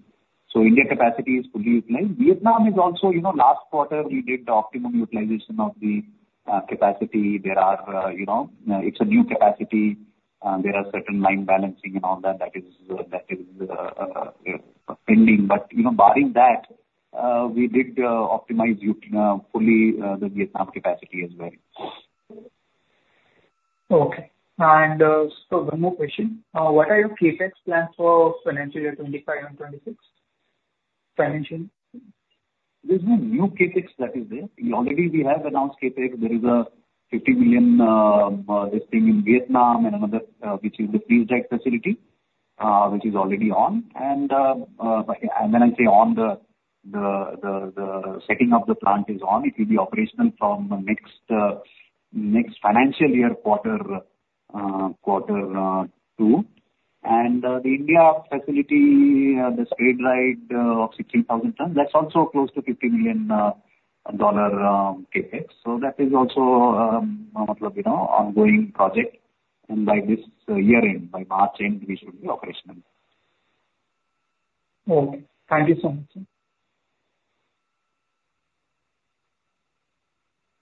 So India capacity is fully utilized. Vietnam is also, you know, last quarter we did the optimum utilization of the capacity. There are, you know, it's a new capacity, there are certain line balancing and all that that is pending. But, you know, barring that, we did optimize it fully, the Vietnam capacity as well. Okay. Sir, one more question. What are your CapEx plans for financial year 2025 and 2026? Financial. There's no new CapEx that is there. Already we have announced CapEx. There is a $50 million interest in in Vietnam and another, which is the freeze-dried facility, which is already on. And when I say on, the setting of the plant is on, it will be operational from next financial year, quarter two. And the India facility, the spray-dried of 16,000 tons, that's also close to $50 million dollar CapEx. So that is also, you know, ongoing project, and by this year end, by March end, we should be operational. Okay. Thank you so much, sir.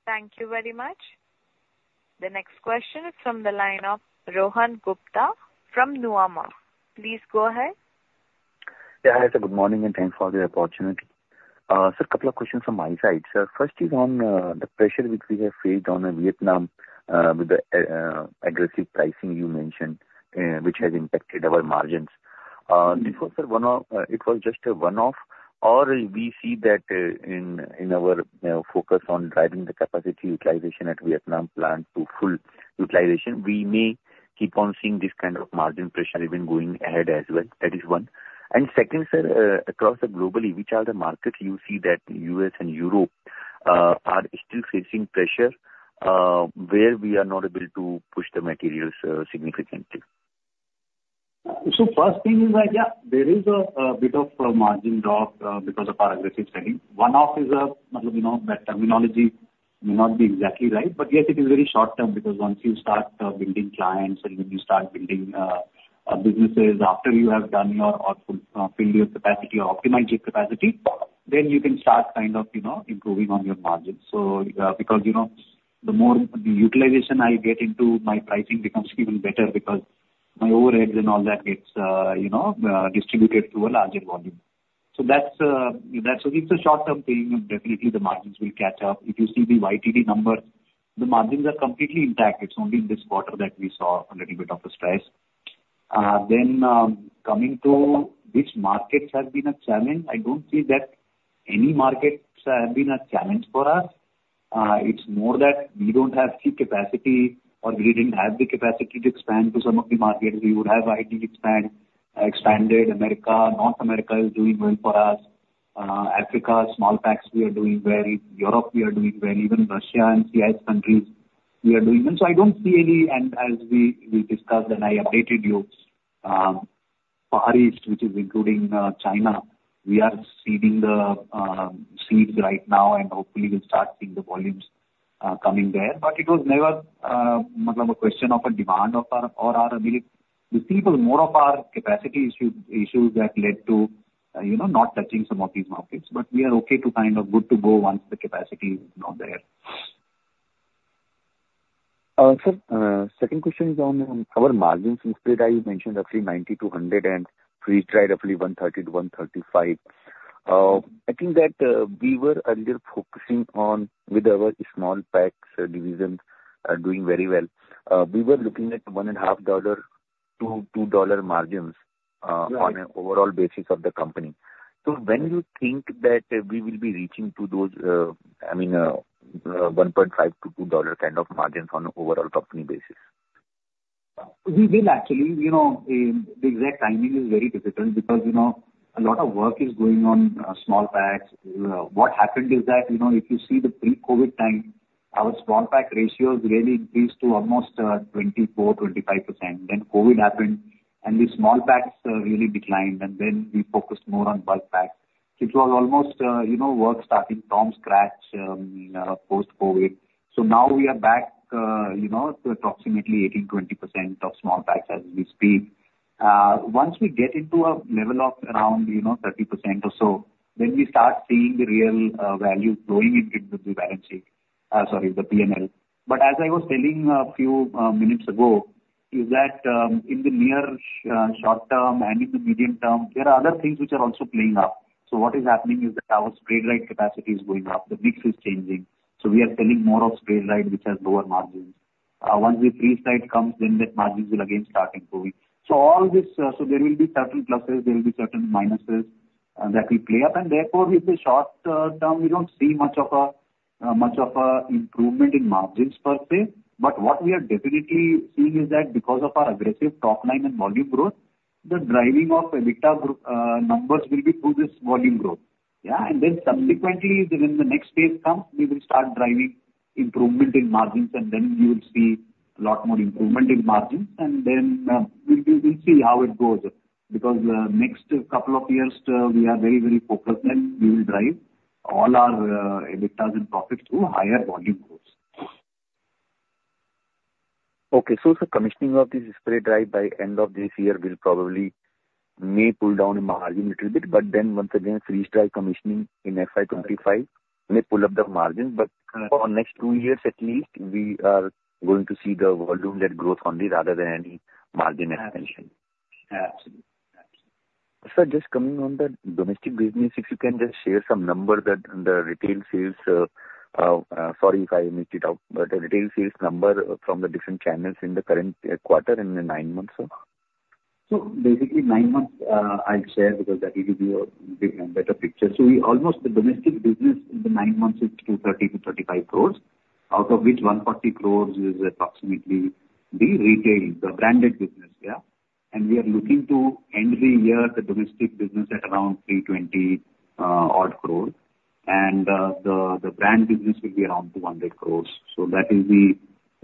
Thank you very much. The next question is from the line of Rohan Gupta from Nuvama. Please go ahead. Yeah, hi, sir, good morning, and thanks for the opportunity. So a couple of questions from my side, sir. First is on the pressure which we have faced on Vietnam with the aggressive pricing you mentioned, which has impacted our margins. This was a one-off, it was just a one-off, or we see that in our focus on driving the capacity utilization at Vietnam plant to full utilization, we may keep on seeing this kind of margin pressure even going ahead as well. That is one. And second, sir, across the globally, which are the markets you see that U.S. and Europe are still facing pressure, where we are not able to push the materials significantly? So first thing is that, yeah, there is a bit of a margin drop because of our aggressive selling. One-off is a, you know, that terminology may not be exactly right, but yes, it is very short term, because once you start building clients and when you start building businesses after you have done your or fill your capacity or optimized your capacity, then you can start kind of, you know, improving on your margins. So because, you know, the more the utilization I get into my pricing becomes even better because my overheads and all that gets, you know, distributed through a larger volume. So that's, it's a short-term thing, and definitely the margins will catch up. If you see the YTD number, the margins are completely intact. It's only in this quarter that we saw a little bit of a stress. Then, coming to which markets has been a challenge, I don't see that any markets have been a challenge for us. It's more that we don't have the capacity or we didn't have the capacity to expand to some of the markets. We would have it expand, expanded America. North America is doing well for us. Africa, small packs, we are doing well. In Europe, we are doing well. Even Russia and CIS countries, we are doing well. So I don't see any, and as we, we discussed and I updated you, Far East, which is including, China, we are seeding the, seeds right now, and hopefully we'll start seeing the volumes, coming there. But it was never a question of demand or our ability. We see more of our capacity issues that led to, you know, not touching some of these markets, but we are okay to kind of good to go once the capacity is now there. Sir, second question is on our margins instead. I mentioned roughly 90-100, and freeze-dried, roughly 130-135. I think that we were earlier focusing on with our small packs divisions are doing very well. We were looking at $1.5-$2 margins. Yeah. -on an overall basis of the company. So when you think that we will be reaching to those, $1.5-$2 kind of margins on an overall company basis? We will actually, you know, the exact timing is very difficult because, you know, a lot of work is going on, small packs. What happened is that, you know, if you see the pre-COVID time, our small pack ratios really increased to almost 24%-25%. Then COVID happened, and the small packs really declined, and then we focused more on bulk packs. It was almost, you know, work starting from scratch, post-COVID. So now we are back, you know, to approximately 18%-20% of small packs as we speak. Once we get into a level of around, you know, 30% or so, then we start seeing the real value flowing into the balance sheet, sorry, the P&L. But as I was telling a few minutes ago, is that, in the near short term and in the medium term, there are other things which are also playing out. So what is happening is that our spray-dried capacity is going up, the mix is changing, so we are selling more of spray-dried, which has lower margins. Once the freeze-dried comes, then the margins will again start improving. So all this, so there will be certain pluses, there will be certain minuses, that will play out, and therefore, in the short term, we don't see much of a much of a improvement in margins per se. But what we are definitely seeing is that because of our aggressive top line and volume growth, the driving of EBITDA numbers will be through this volume growth. Yeah, and then subsequently, when the next phase comes, we will start driving improvement in margins, and then you will see a lot more improvement in margins. And then, we will see how it goes, because, next couple of years, we are very, very focused, and we will drive all our, EBITDAs and profits through higher volume growth. Okay. So the commissioning of this spray-dried by end of this year will probably may pull down the margin a little bit, but then once again, freeze-dried commissioning in FY 25 may pull up the margin. Correct. For next two years at least, we are going to see the volume that growth only rather than any margin expansion. Absolutely. Absolutely. Sir, just coming on the domestic business, if you can just share some numbers that the retail sales, sorry if I missed it out, but the retail sales number from the different channels in the current quarter and the nine months, sir. So basically nine months, I'll share because that will give you a better picture. So the domestic business in the nine months is 130-135 crores, out of which 120 crores is approximately the retail, the branded business, yeah? And we are looking to end the year, the domestic business at around 320 odd crores. And the brand business will be around 200 crores. So that is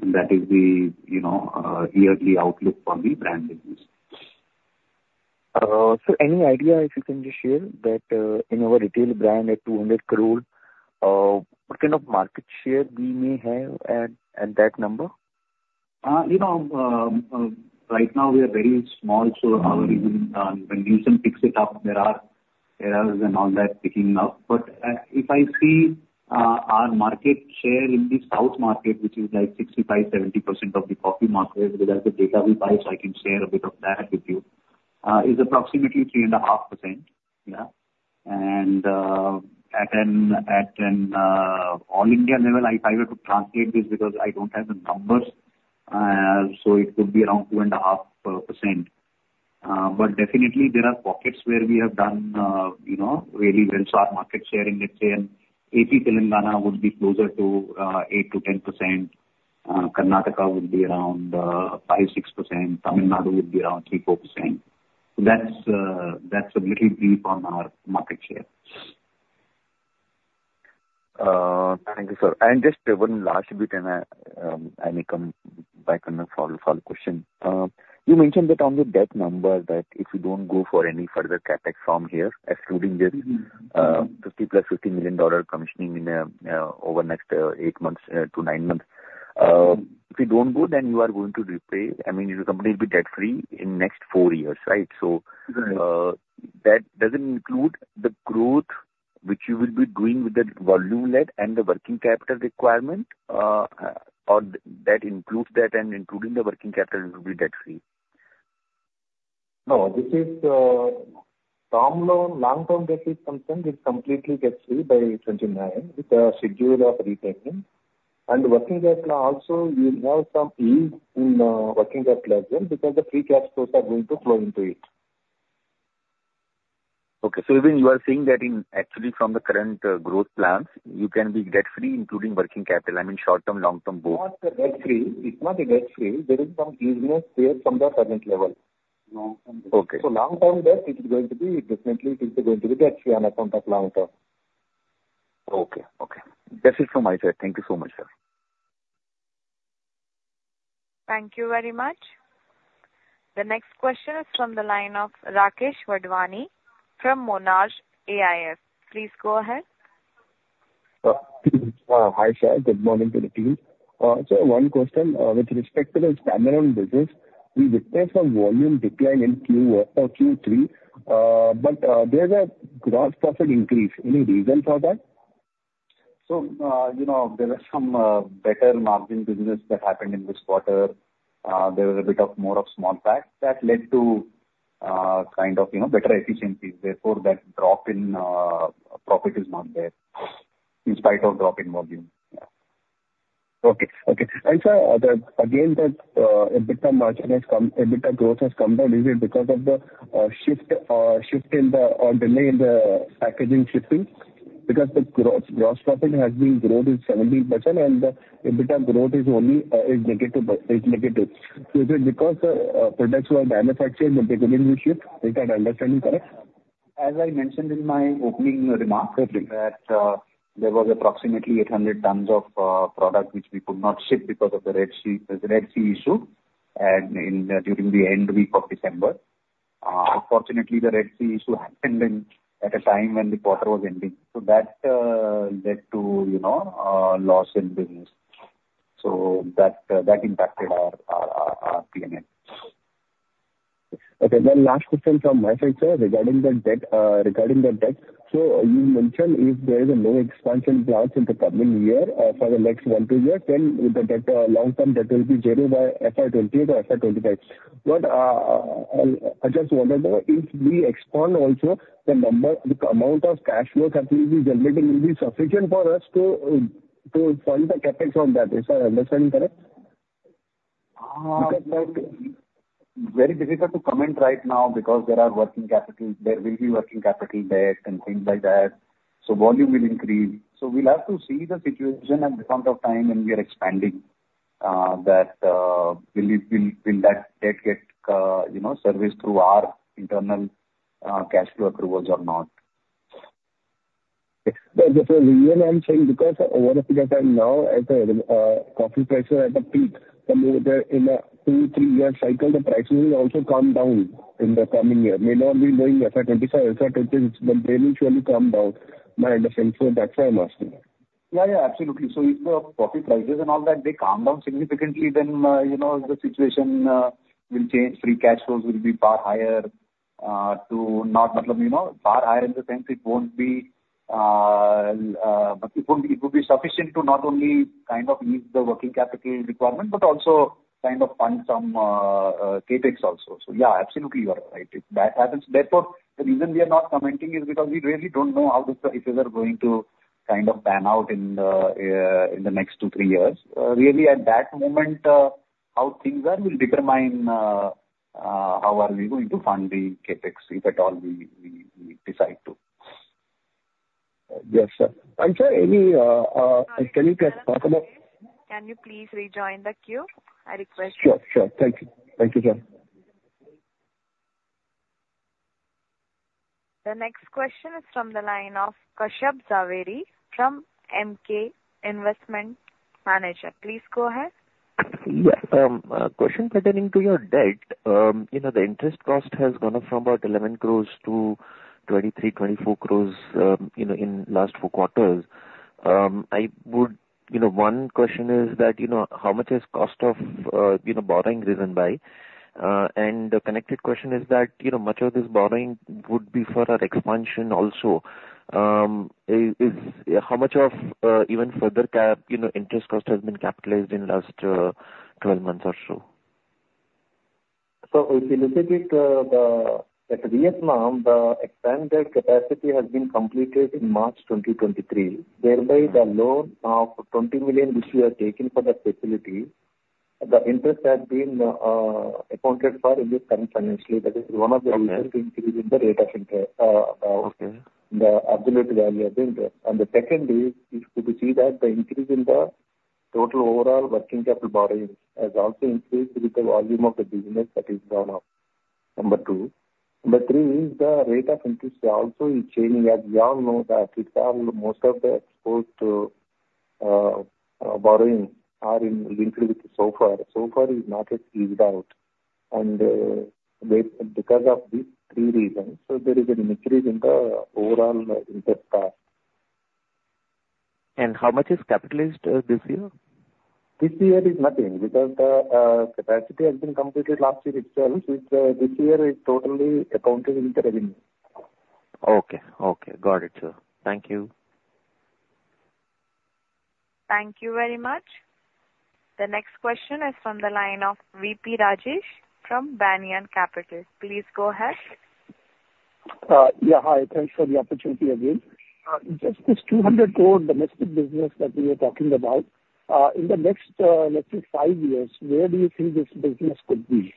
the yearly outlook for the brand business, you know. So any idea, if you can just share, that, in our retail brand at 200 crore, what kind of market share we may have at, at that number? You know, right now we are very small, so our, when you pick it up, there are errors and all that picking up. But if I see our market share in the south market, which is like 65%-70% of the coffee market, we have the data with us, so I can share a bit of that with you, is approximately 3.5%. Yeah. And at an All India level, I try to translate this because I don't have the numbers. So it could be around 2.5%. But definitely there are pockets where we have done, you know, really well. So our market share in, let's say, in AP Telangana would be closer to 8%-10%, Karnataka would be around 5%-6%. Tamil Nadu would be around 3%-4%. That's a little brief on our market share. Thank you, sir. And just one last bit, and I may come back on the follow-up question. You mentioned that on the debt number, that if you don't go for any further CapEx from here, excluding this- Mm-hmm. 50 + 50 million dollar commissioning in over the next eight months to nine months. If you don't go, then you are going to repay... I mean, your company will be debt-free in next 4 years, right? So- Right. that doesn't include the growth, which you will be doing with the volume lead and the working capital requirement, or that includes that and including the working capital will be debt free? No, this is term loan, long-term debt is concerned, is completely debt free by 2029, with the schedule of repayment. And working capital also, you'll have some ease in working capital as well, because the free cash flows are going to flow into it. Okay. So even you are saying that, actually, from the current growth plans, you can be debt free, including working capital. I mean, short-term, long-term, both? Not debt free. It's not a debt free. There is some easiness there from the current level. Okay. So long-term debt, it's going to be, definitely, it's going to be debt-free on account of long-term. Okay. Okay. That's it from my side. Thank you so much, sir. Thank you very much. The next question is from the line of Rakesh Wadhwani from Monarch AIF. Please go ahead. Hi, sir. Good morning to the team. One question with respect to the standalone business: we witnessed some volume decline in Q1 or Q3, but there's a gross profit increase. Any reason for that? So, you know, there are some better margin business that happened in this quarter. There was a bit more of small packs that led to, kind of, you know, better efficiency. Therefore, that drop in profit is not there, in spite of drop in volume. Yeah. Okay. Okay. And so, again, that EBITDA margin has come, EBITDA growth has come down. Is it because of the shift, or delay in the packaging shipping? Because the gross profit has been grown to 70%, and the EBITDA growth is only is negative, but is negative. So is it because products were manufactured, but they couldn't be shipped? Is that understanding correct? As I mentioned in my opening remarks, there was approximately 800 tons of product which we could not ship because of the Red Sea, the Red Sea issue, and during the end week of December. Unfortunately, the Red Sea issue happened at a time when the quarter was ending. So that led to, you know, loss in business. So that impacted our P&L. Okay. Then last question from my side, sir, regarding the debt, regarding the debt. So you mentioned if there is a no expansion plans in the coming year, for the next 1-2 years, then the debt, long-term debt will be zero by FY 2028 or FY 2025. But, I just want to know, if we expand also, the number, the amount of cash flow that will be generating will be sufficient for us to, to fund the CapEx on that. Is my understanding correct? Very difficult to comment right now because there are working capital, there will be working capital debt and things like that, so volume will increase. So we'll have to see the situation at the point of time when we are expanding, that will that debt get, you know, serviced through our internal cash flow approvals or not? Okay. The reason I'm saying, because over the time now, as a coffee price are at a peak, in a 2-3-year cycle, the prices will also come down in the coming year. May not be doing FY 2025, FY 2026, but they will surely come down. My understanding, so that's why I'm asking. Yeah, yeah, absolutely. So if the coffee prices and all that, they come down significantly, then, you know, the situation will change. Free cash flows will be far higher, to not in the, you know, far higher in the sense it won't be, it would be, it would be sufficient to not only kind of meet the working capital requirement, but also kind of fund some, CapEx also. So yeah, absolutely, you are right. If that happens, therefore, the reason we are not commenting is because we really don't know how these factors are going to kind of pan out in the, in the next two, three years. Really, at that moment, how things are will determine, how are we going to fund the CapEx, if at all we decide to. Yes, sir. And sir, any, can you tell us about- Can you please rejoin the queue? I request you. Sure, sure. Thank you. Thank you, sir. The next question is from the line of Kashyap Javeri from Emkay Investment Managers. Please go ahead. Yeah, question pertaining to your debt. You know, the interest cost has gone up from about 11 crore to 23-24 crore, you know, in last four quarters. I would... You know, one question is that, you know, how much is cost of, you know, borrowing risen by? And the connected question is that, you know, much of this borrowing would be for an expansion also. Is, is, how much of, even further CapEx, you know, interest cost has been capitalized in last, 12 months or so? If you look at it, at Vietnam, the expanded capacity has been completed in March 2023, whereby the loan of $20 million which we have taken for that facility, the interest has been accounted for in the current financial year. That is one of the reasons. Okay increase in the rate of interest. Okay... The absolute value of the interest. And the second is to see that the increase in the total overall working capital borrowings has also increased with the volume of the business that is gone up, number two. Number three is the rate of interest also is changing. As we all know, that it's most of the exposed to borrowing are linked with SOFR. SOFR it's not yet eased out. And because of these three reasons, so there is an increase in the overall interest cost.... How much is capitalized this year? This year is nothing, because capacity has been completed last year itself, which this year is totally accounted in the revenue. Okay. Okay. Got it, sir. Thank you. Thank you very much. The next question is from the line of VP Rajesh from Banyan Capital. Please go ahead. Yeah, hi. Thanks for the opportunity again. Just this 200 crore domestic business that we were talking about, in the next, let's say five years, where do you think this business could be?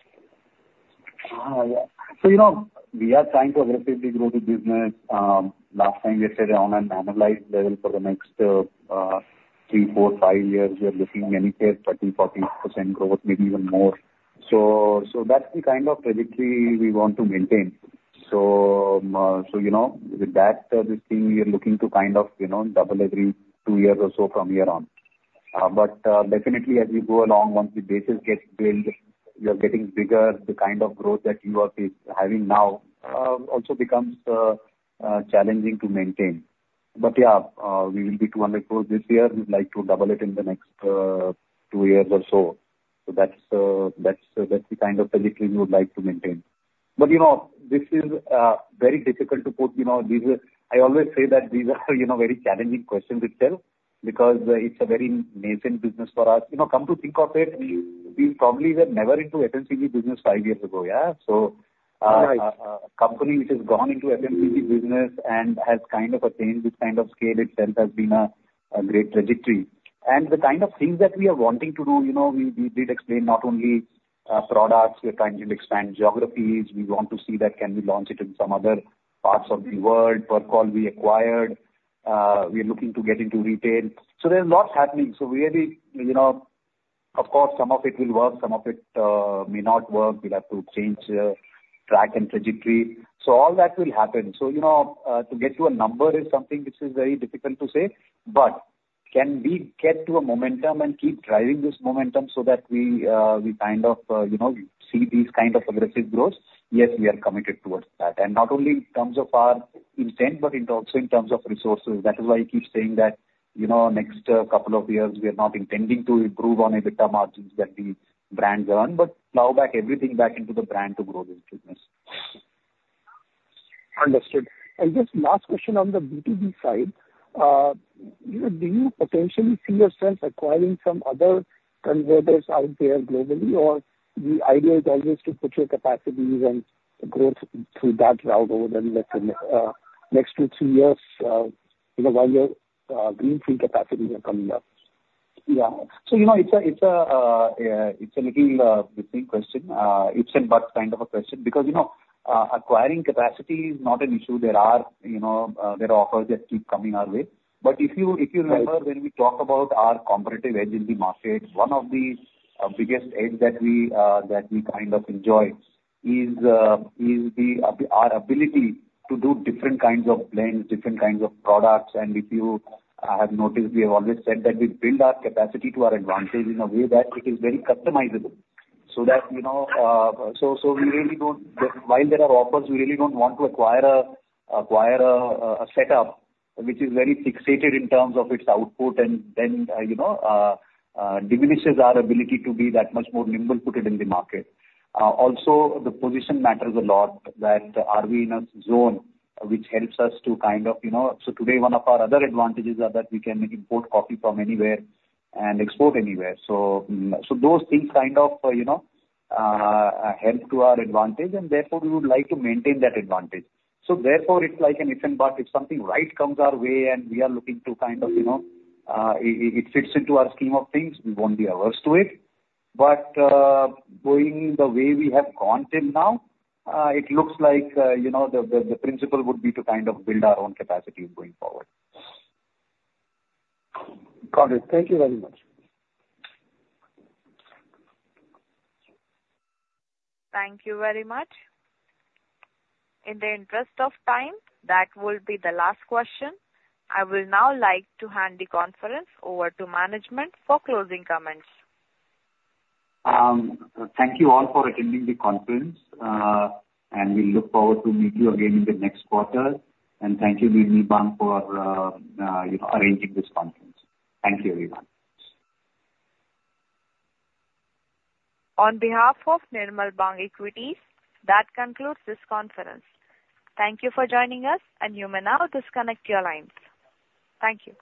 Yeah. So, you know, we are trying to aggressively grow the business. Last time we said on an annualized level for the next three, four, five years, we are looking anywhere 30%-40% growth, maybe even more. So, that's the kind of trajectory we want to maintain. So, you know, with that, this thing, we are looking to kind of, you know, double every two years or so from here on. But, definitely as we go along, once the bases get built, you are getting bigger, the kind of growth that you are having now also becomes challenging to maintain. But yeah, we will be 200 crore this year. We'd like to double it in the next two years or so. So that's the kind of trajectory we would like to maintain. But, you know, this is very difficult to put, you know, these are... I always say that these are you know, very challenging questions itself, because, it's a very nascent business for us. You know, come to think of it, we probably were never into FMCG business five years ago, yeah? So, Right. A company which has gone into FMCG business and has kind of attained this kind of scale itself has been a great trajectory. The kind of things that we are wanting to do, you know, we did explain not only products, we are trying to expand geographies. We want to see that can we launch it in some other parts of the world. Percol we acquired, we are looking to get into retail. So there's lots happening. Really, you know, of course, some of it will work, some of it may not work. We'll have to change track and trajectory. So all that will happen. So, you know, to get to a number is something which is very difficult to say, but can we get to a momentum and keep driving this momentum so that we, we kind of, you know, see these kind of aggressive growths? Yes, we are committed towards that, and not only in terms of our intent, but in, also in terms of resources. That is why I keep saying that, you know, next, couple of years, we are not intending to improve on EBITDA margins that the brands earn, but plow back everything back into the brand to grow this business. Understood. And just last question on the B2B side. You know, do you potentially see yourself acquiring some other converters out there globally, or the idea is always to put your capacities and growth through that route over the next two, three years, you know, while your greenfield capacities are coming up? Yeah. So, you know, it's a little different question, ifs and buts kind of a question, because, you know, acquiring capacity is not an issue. There are, you know, there are offers that keep coming our way. But if you remember- Right. When we talk about our competitive edge in the market, one of the biggest edge that we kind of enjoy is our ability to do different kinds of blends, different kinds of products. And if you have noticed, we have always said that we build our capacity to our advantage in a way that it is very customizable. So that, you know, so, so we really don't... While there are offers, we really don't want to acquire a setup which is very fixated in terms of its output, and then, you know, diminishes our ability to be that much more nimble-footed in the market. Also, the position matters a lot, that are we in a zone which helps us to kind of, you know... So today, one of our other advantages are that we can import coffee from anywhere and export anywhere. So, so those things kind of, you know, help to our advantage, and therefore, we would like to maintain that advantage. So therefore, it's like an if and but. If something right comes our way and we are looking to kind of, you know, it fits into our scheme of things, we won't be averse to it. But, going the way we have gone till now, it looks like, you know, the principle would be to kind of build our own capacity going forward. Got it. Thank you very much. Thank you very much. In the interest of time, that will be the last question. I will now like to hand the conference over to management for closing comments. Thank you all for attending the conference, and we look forward to meet you again in the next quarter. And thank you, Nirmal Bang, for, you know, arranging this conference. Thank you, everyone. On behalf of Nirmal Bang Institutional Equities, that concludes this conference. Thank you for joining us, and you may now disconnect your lines. Thank you.